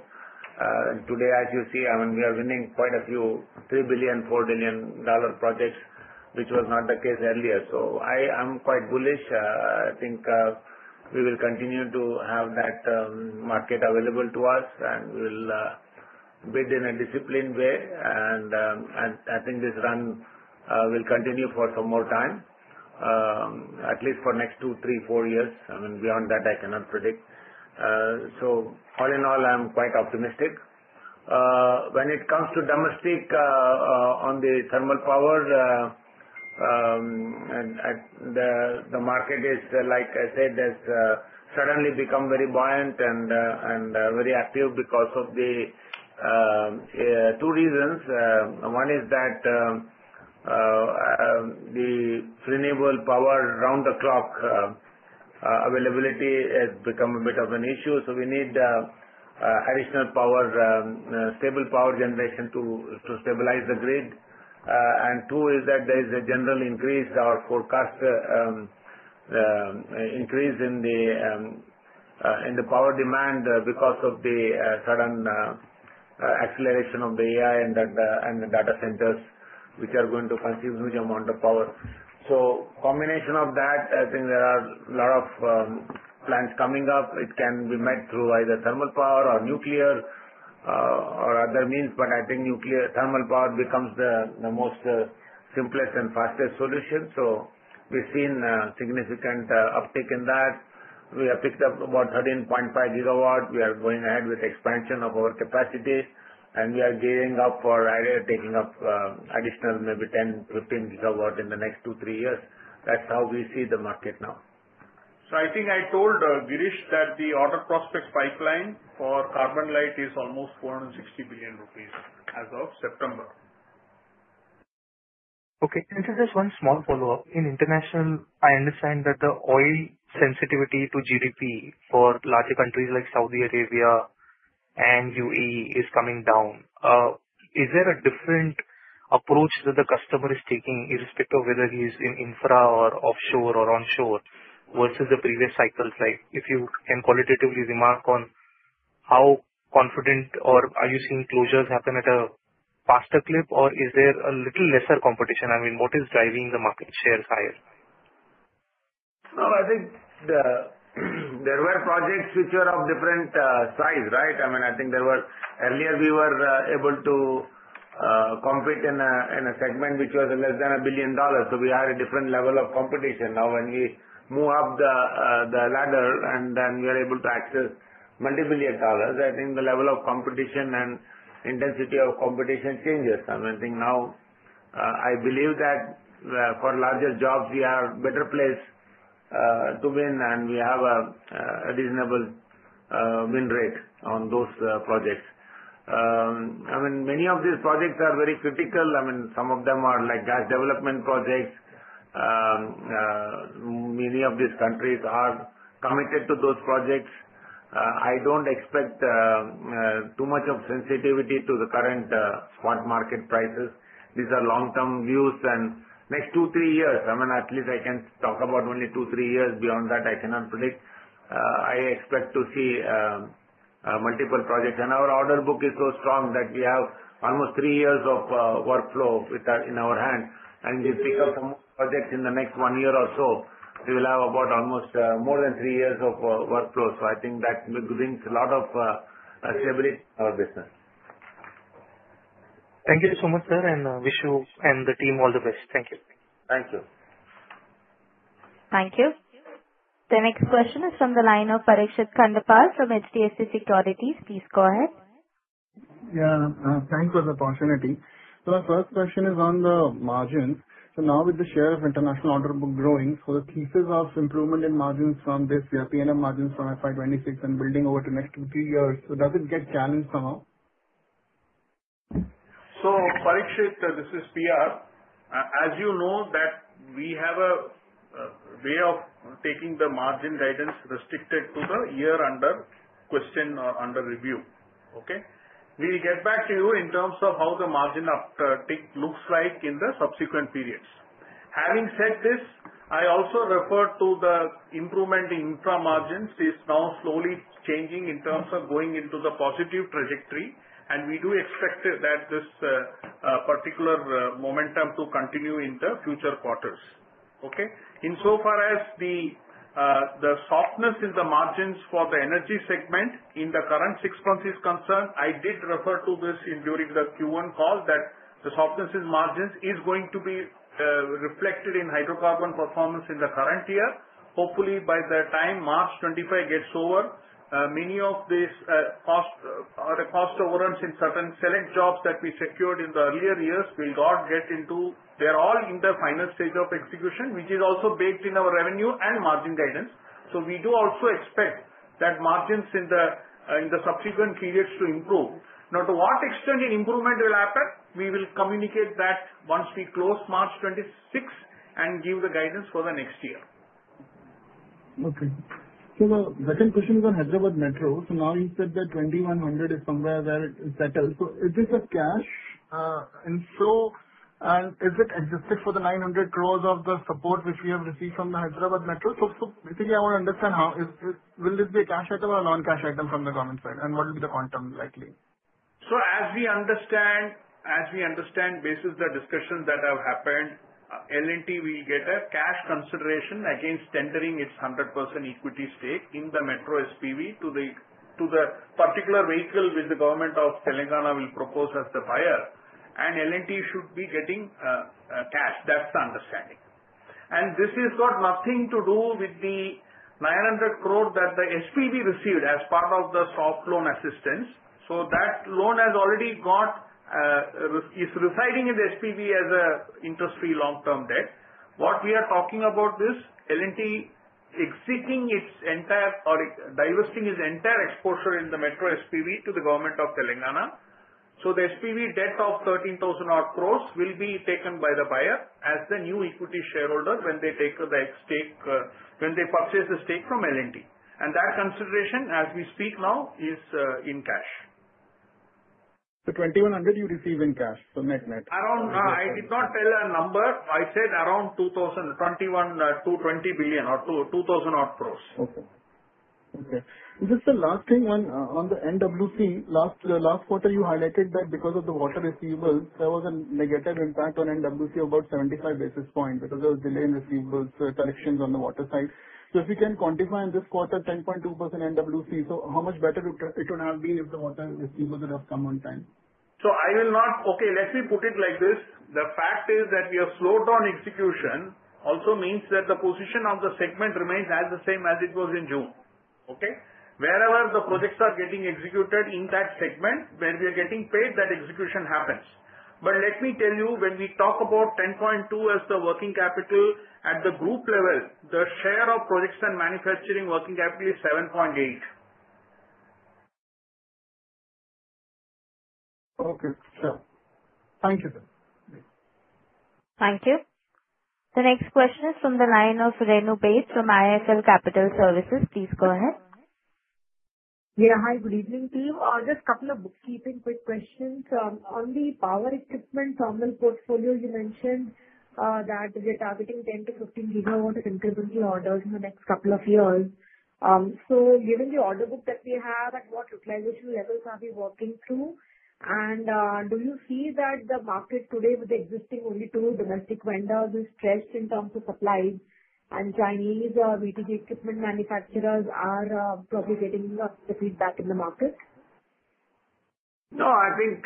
Today, as you see, I mean, we are winning quite a few $3 billion, $4 billion-dollar projects, which was not the case earlier, so I am quite bullish. I think we will continue to have that market available to us, and we will bid in a disciplined way, and I think this run will continue for some more time, at least for the next two, three, four years. I mean, beyond that, I cannot predict, so all in all, I'm quite optimistic. When it comes to domestic on the thermal power, the market is, like I said, has suddenly become very buoyant and very active because of two reasons. One is that the Renewable power round-the-clock availability has become a bit of an issue. So we need additional power, stable power generation to stabilize the grid. And two is that there is a general increase or forecast increase in the power demand because of the sudden acceleration of the AI and the data centers, which are going to consume a huge amount of power. So combination of that, I think there are a lot of plans coming up. It can be met through either thermal power or nuclear or other means. But I think thermal power becomes the most simplest and fastest solution. So we've seen significant uptake in that. We have picked up about 13.5 GW. We are going ahead with expansion of our capacity, and we are gearing up for taking up additional maybe 10-15 GW in the next two-three years. That's how we see the market now.
So I think I told Girish that the order prospects pipeline for CarbonLite is almost 460 billion rupees as of September.
Okay. Just one small follow-up. In international, I understand that the oil sensitivity to GDP for larger countries like Saudi Arabia and UAE is coming down. Is there a different approach that the customer is taking irrespective of whether he's in Infra or Offshore or Onshore versus the previous cycles? If you can qualitatively remark on how confident, or are you seeing closures happen at a faster clip, or is there a little lesser competition? I mean, what is driving the market shares higher?
So I think there were projects which were of different size, right? I mean, I think there were. Earlier we were able to compete in a segment which was less than $1 billion. So we had a different level of competition. Now, when we move up the ladder and then we are able to access multi-billion dollars, I think the level of competition and intensity of competition changes. I mean, I think now I believe that for larger jobs, we are better placed to win, and we have a reasonable win rate on those projects. I mean, many of these projects are very critical. I mean, some of them are like gas development projects. Many of these countries are committed to those projects. I don't expect too much of sensitivity to the current spot market prices. These are long-term views. And next two, three years, I mean, at least I can talk about only two, three years. Beyond that, I cannot predict. I expect to see multiple projects. And our order book is so strong that we have almost three years of workflow in our hand. And if we pick up some projects in the next one year or so, we will have about almost more than three years of workflow. So I think that brings a lot of stability to our business.
Thank you so much, sir, and wish you and the team all the best. Thank you.
Thank you.
Thank you. The next question is from the line of Parikshit Kandpal from HDFC Securities. Please go ahead.
Yeah. Thanks for the opportunity. So my first question is on the margins. So now with the share of international order book growing, so the thesis of improvement in margins from this P&L margins from FY 2026 and building over the next two years, does it get challenged somehow?
So Parikshit, this is P.R. As you know, we have a way of taking the margin guidance restricted to the year under question or under review. Okay? We'll get back to you in terms of how the margin uptake looks like in the subsequent periods. Having said this, I also refer to the improvement in infra margins is now slowly changing in terms of going into the positive trajectory, and we do expect that this particular momentum to continue in the future quarters. Okay? Insofar as the softness in the margins for the Energy segment in the current six months is concerned, I did refer to this during the Q1 call that the softness in margins is going to be reflected in Hydrocarbon performance in the current year. Hopefully, by the time March 2025 gets over, many of these cost overruns in certain select jobs that we secured in the earlier years will all get into, they're all in the final stage of execution, which is also baked in our revenue and margin guidance, so we do also expect that margins in the subsequent periods to improve. Now, to what extent improvement will happen, we will communicate that once we close March 2026 and give the guidance for the next year.
Okay, so the second question is on Hyderabad Metro. So now you said that 2100 is somewhere where it's settled. So is this a cash inflow, and is it adjusted for the 900 crores of the support which we have received from the Hyderabad Metro? So basically, I want to understand how will this be a cash item or a non-cash item from the government side? And what will be the quantum likely?
So as we understand basis the discussion that have happened, L&T will get a cash consideration against tendering its 100% equity stake in the Metro SPV to the particular vehicle which the Government of Telangana will propose as the buyer. And L&T should be getting cash. That's the understanding. And this has got nothing to do with the 900 crore that the SPV received as part of the soft loan assistance. So that loan has already got is residing in the SPV as an interest-free long-term debt. What we are talking about is L&T exiting its entire or divesting its entire exposure in the Metro SPV to the Government of Telangana. So the SPV debt of 13,000 crores will be taken by the buyer as the new equity shareholder when they take the stake, when they purchase the stake from L&T. And that consideration, as we speak now, is in cash.
So 2,100 you receive in cash? So net-net?
I did not tell a number. I said around 20, 21, 22 billion or 2,000 crores.
Okay. Okay. Just the last thing, on the NWC, last quarter you highlighted that because of the water receivables, there was a negative impact on NWC of about 75 basis points because there was delay in receivables collections on the water side. So if you can quantify in this quarter 10.2% NWC, so how much better it would have been if the water receivables would have come on time?
So I will not. Okay, let me put it like this. The fact is that we have slowed down execution also means that the position of the segment remains as the same as it was in June. Okay? Wherever the projects are getting executed in that segment, when we are getting paid, that execution happens. But let me tell you, when we talk about 10.2 as the working capital at the group level, the share of projects and manufacturing working capital is 7.8.
Okay. Sure. Thank you, sir.
Thank you. The next question is from the line of Renu Baid from IIFL Capital Services. Please go ahead.
Yeah. Hi. Good evening, team. Just a couple of bookkeeping quick questions. On the power equipment thermal portfolio, you mentioned that we are targeting 10-15 GW incrementally ordered in the next couple of years. So given the order book that we have, at what utilization levels are we working through? And do you see that the market today with the existing only two domestic vendors is stretched in terms of supply? And Chinese BTG equipment manufacturers are probably getting the feedback in the market?
No. I think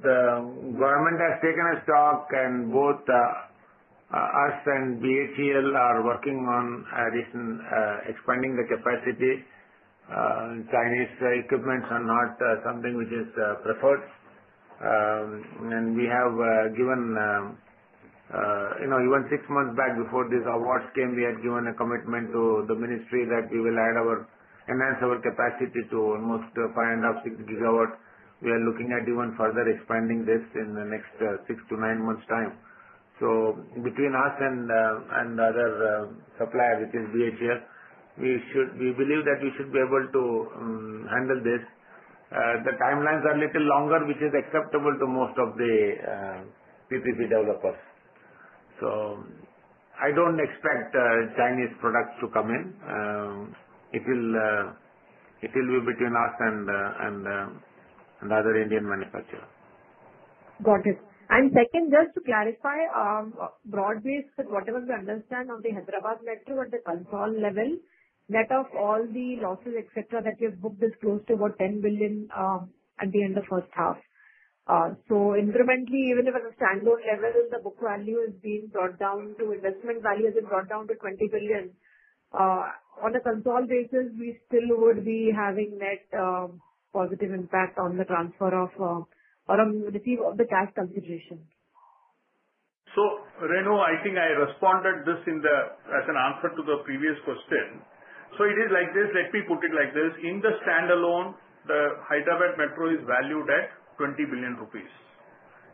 the government has taken stock, and both us and BHEL are working on expanding the capacity. Chinese equipment is not something which is preferred. And we have given even six months back before these awards came, we had given a Commitment to the Ministry that we will enhance our capacity to almost 560 GW. We are looking at even further expanding this in the next six to nine months' time. So between us and the other supplier, which is BHEL, we believe that we should be able to handle this. The timelines are a little longer, which is acceptable to most of the PPP developers. So I don't expect Chinese products to come in. It will be between us and the other Indian manufacturer.
Got it. And second, just to clarify, broadly said, whatever we understand of the Hyderabad Metro at the consolidated level, net of all the losses, etc., that you have booked is close to about 10 billion at the end of first half. So incrementally, even if at a standalone level, the book value is being brought down to investment value has been brought down to 20 billion. On a consolidated basis, we still would be having net positive impact on the transfer of or on the receipt of the cash consideration.
So Renu, I think I responded to this as an answer to the previous question. So it is like this. Let me put it like this. In the standalone, the Hyderabad Metro is valued at 20 billion rupees.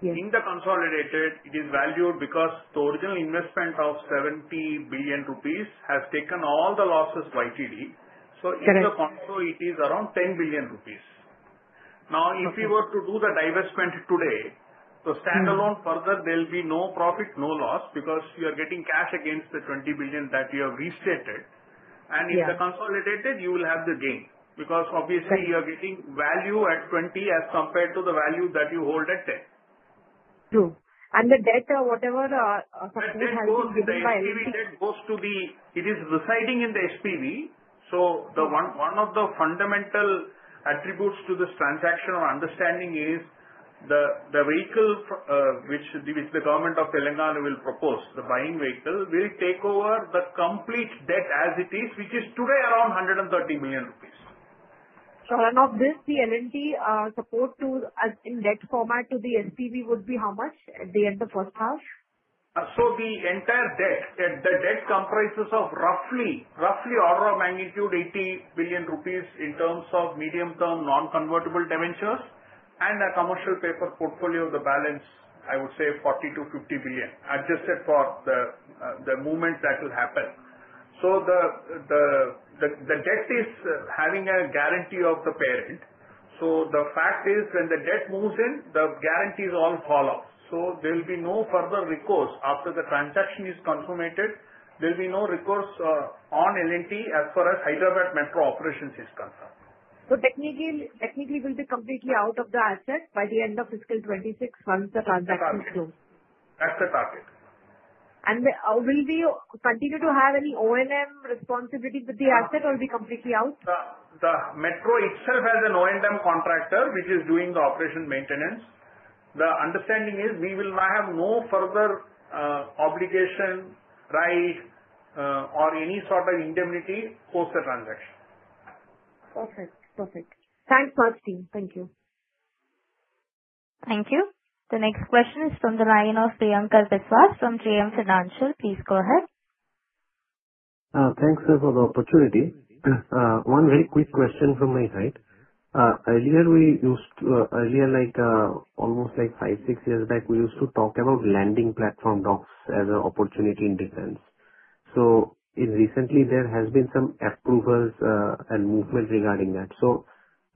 In the consolidated, it is valued because the original investment of 70 billion rupees has taken all the losses YTD. So in the consolidated, it is around 10 billion rupees. Now, if we were to do the divestment today, the standalone further, there will be no profit, no loss because you are getting cash against the 20 billion that you have restated. And in the consolidated, you will have the gain because obviously, you are getting value at 20 as compared to the value that you hold at 10.
True. And the debt or whatever has been divided?
It is residing in the SPV. So one of the fundamental attributes to this transaction or understanding is the vehicle which the Government of Telangana will propose, the buying vehicle, will take over the complete debt as it is, which is today around 130 billion rupees.
So on top of this, the L&T support in debt format to the SPV would be how much at the end of first half?
So the entire debt, the debt comprises of roughly order of magnitude 80 billion rupees in terms of medium-term Non-Convertible Debentures and a Commercial Paper portfolio of the balance, I would say 40 billion-50 billion adjusted for the movement that will happen. So the debt is having a guarantee of the parent. So the fact is when the debt moves in, the guarantees all fall off. So there will be no further recourse after the transaction is consummated. There will be no recourse on L&T as far as Hyderabad Metro operations is concerned.
So technically, it will be completely out of the asset by the end of fiscal 2026 once the transaction is closed?
That's the target.
And will we continue to have any O&M responsibilities with the asset or be completely out?
The Metro itself has an O&M contractor which is doing the operation maintenance. The understanding is we will have no further obligation, right, or any sort of indemnity post-transaction.
Perfect. Perfect. Thanks much, team. Thank you.
Thank you. The next question is from the line of Priyankar Biswas from JM Financial. Please go ahead.
Thanks for the opportunity. One very quick question from my side. Earlier, almost like five, six years back, we used to talk about landing platform docks as an opportunity in defense. So recently, there has been some approvals and movement regarding that. So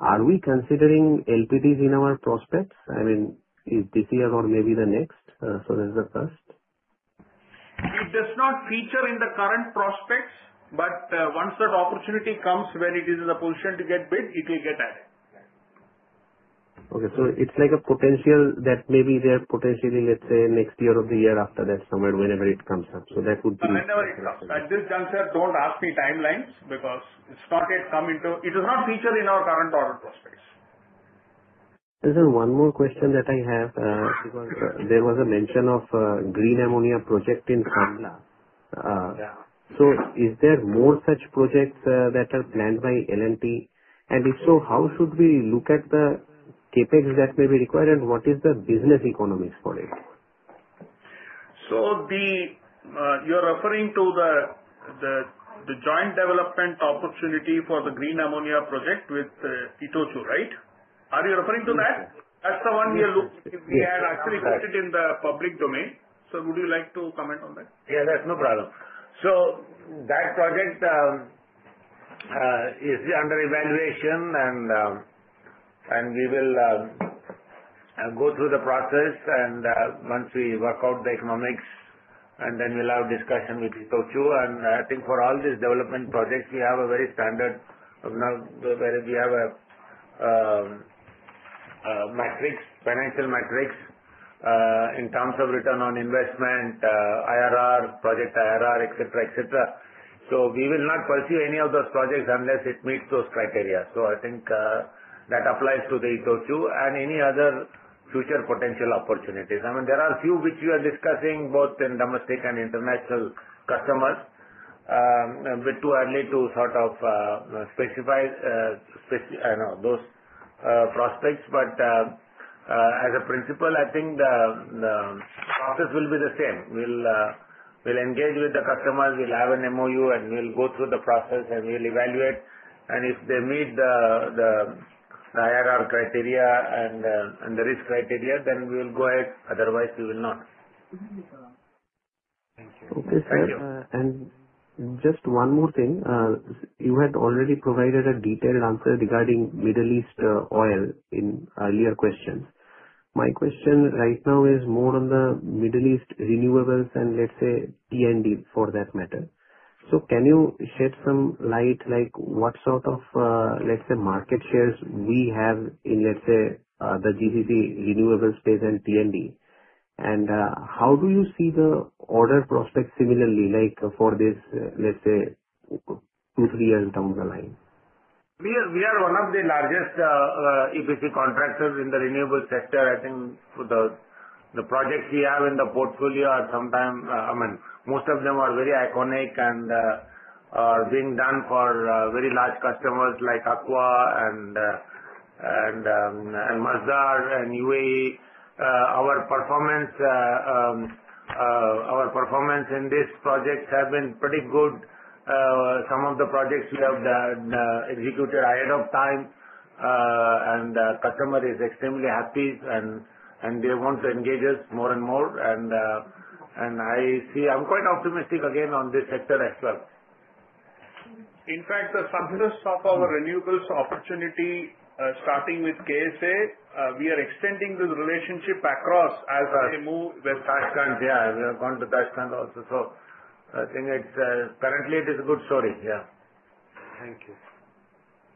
are we considering LPDs in our prospects? I mean, is this year or maybe the next? So there's a first.
It does not feature in the current prospects, but once that opportunity comes, when it is in the position to get bid, it will get added.
Okay. So it's like a potential that maybe they're potentially, let's say, next year or the year after that somewhere, whenever it comes up. So that would be...
Whenever it comes. At this juncture, don't ask me timelines because it's not yet come into. It does not feature in our current order prospects.
There's one more question that I have because there was a mention of Green Ammonia Project in Kandla. So is there more such projects that are planned by L&T? And if so, how should we look at the CapEx that may be required, and what is the business economics for it?
So you're referring to the joint development opportunity for the Green Ammonia Project with ITOCHU, right? Are you referring to that? That's the one we are looking. We had actually put it in the public domain. So would you like to comment on that?
Yeah. That's no problem. So that project is under evaluation, and we will go through the process. And once we work out the economics, and then we'll have discussion with ITOCHU. And I think for all these development projects, we have a very standard. We have a financial matrix in terms of return on investment, IRR, project IRR, etc. So we will not pursue any of those projects unless it meets those criteria. So I think that applies to the ITOCHU and any other future potential opportunities. I mean, there are a few which we are discussing both in domestic and international customers. A bit too early to sort of specify those prospects, but as a principle, I think the process will be the same. We'll engage with the customers, we'll have an MOU, and we'll go through the process, and we'll evaluate. And if they meet the IRR criteria and the risk criteria, then we'll go ahead. Otherwise, we will not.
Thank you. Thank you, sir. And just one more thing. You had already provided a detailed answer regarding Middle East oil in earlier questions. My question right now is more on the Middle East renewables and, let's say, T&D for that matter. So can you shed some light on what sort of, let's say, market shares we have in, let's say, the GCC renewables space and T&D? And how do you see the order prospects similarly for this, let's say, two, three years down the line?
We are one of the largest EPC contractors in the Renewable sector. I think the projects we have in the portfolio are sometimes, I mean, most of them are very iconic and are being done for very large customers like ACWA and Masdar and UAE. Our performance in these projects has been pretty good. Some of the projects we have executed ahead of time, and the customer is extremely happy, and they want to engage us more and more. And I'm quite optimistic again on this sector as well.
In fact, the success of our renewables opportunity, starting with KSA, we are extending the relationship across as we move with Tashkent.
Yeah. We have gone to Tashkent also. So I think currently it is a good story. Yeah.
Thank you.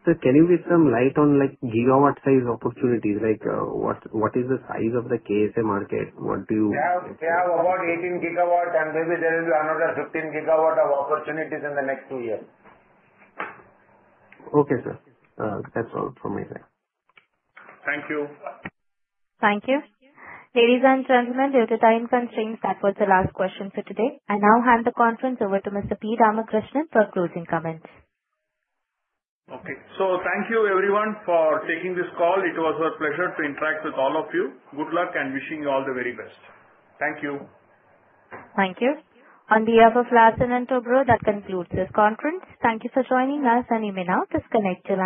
So can you give some light on gigawatt size opportunities? What is the size of the KSA market? What do you...
They have about 18 GW, and maybe there will be another 15 GW of opportunities in the next two years.
Okay, sir. That's all from my side. Thank you.
Thank you. Ladies and gentlemen, due to time constraints, that was the last question for today. I now hand the conference over to Mr. P. Ramakrishnan for closing comments.
Okay. So thank you, everyone, for taking this call. It was a pleasure to interact with all of you. Good luck and wishing you all the very best. Thank you.
Thank you. On behalf of Larsen & Toubro, that concludes this conference. Thank you for joining us, and you may now disconnect too.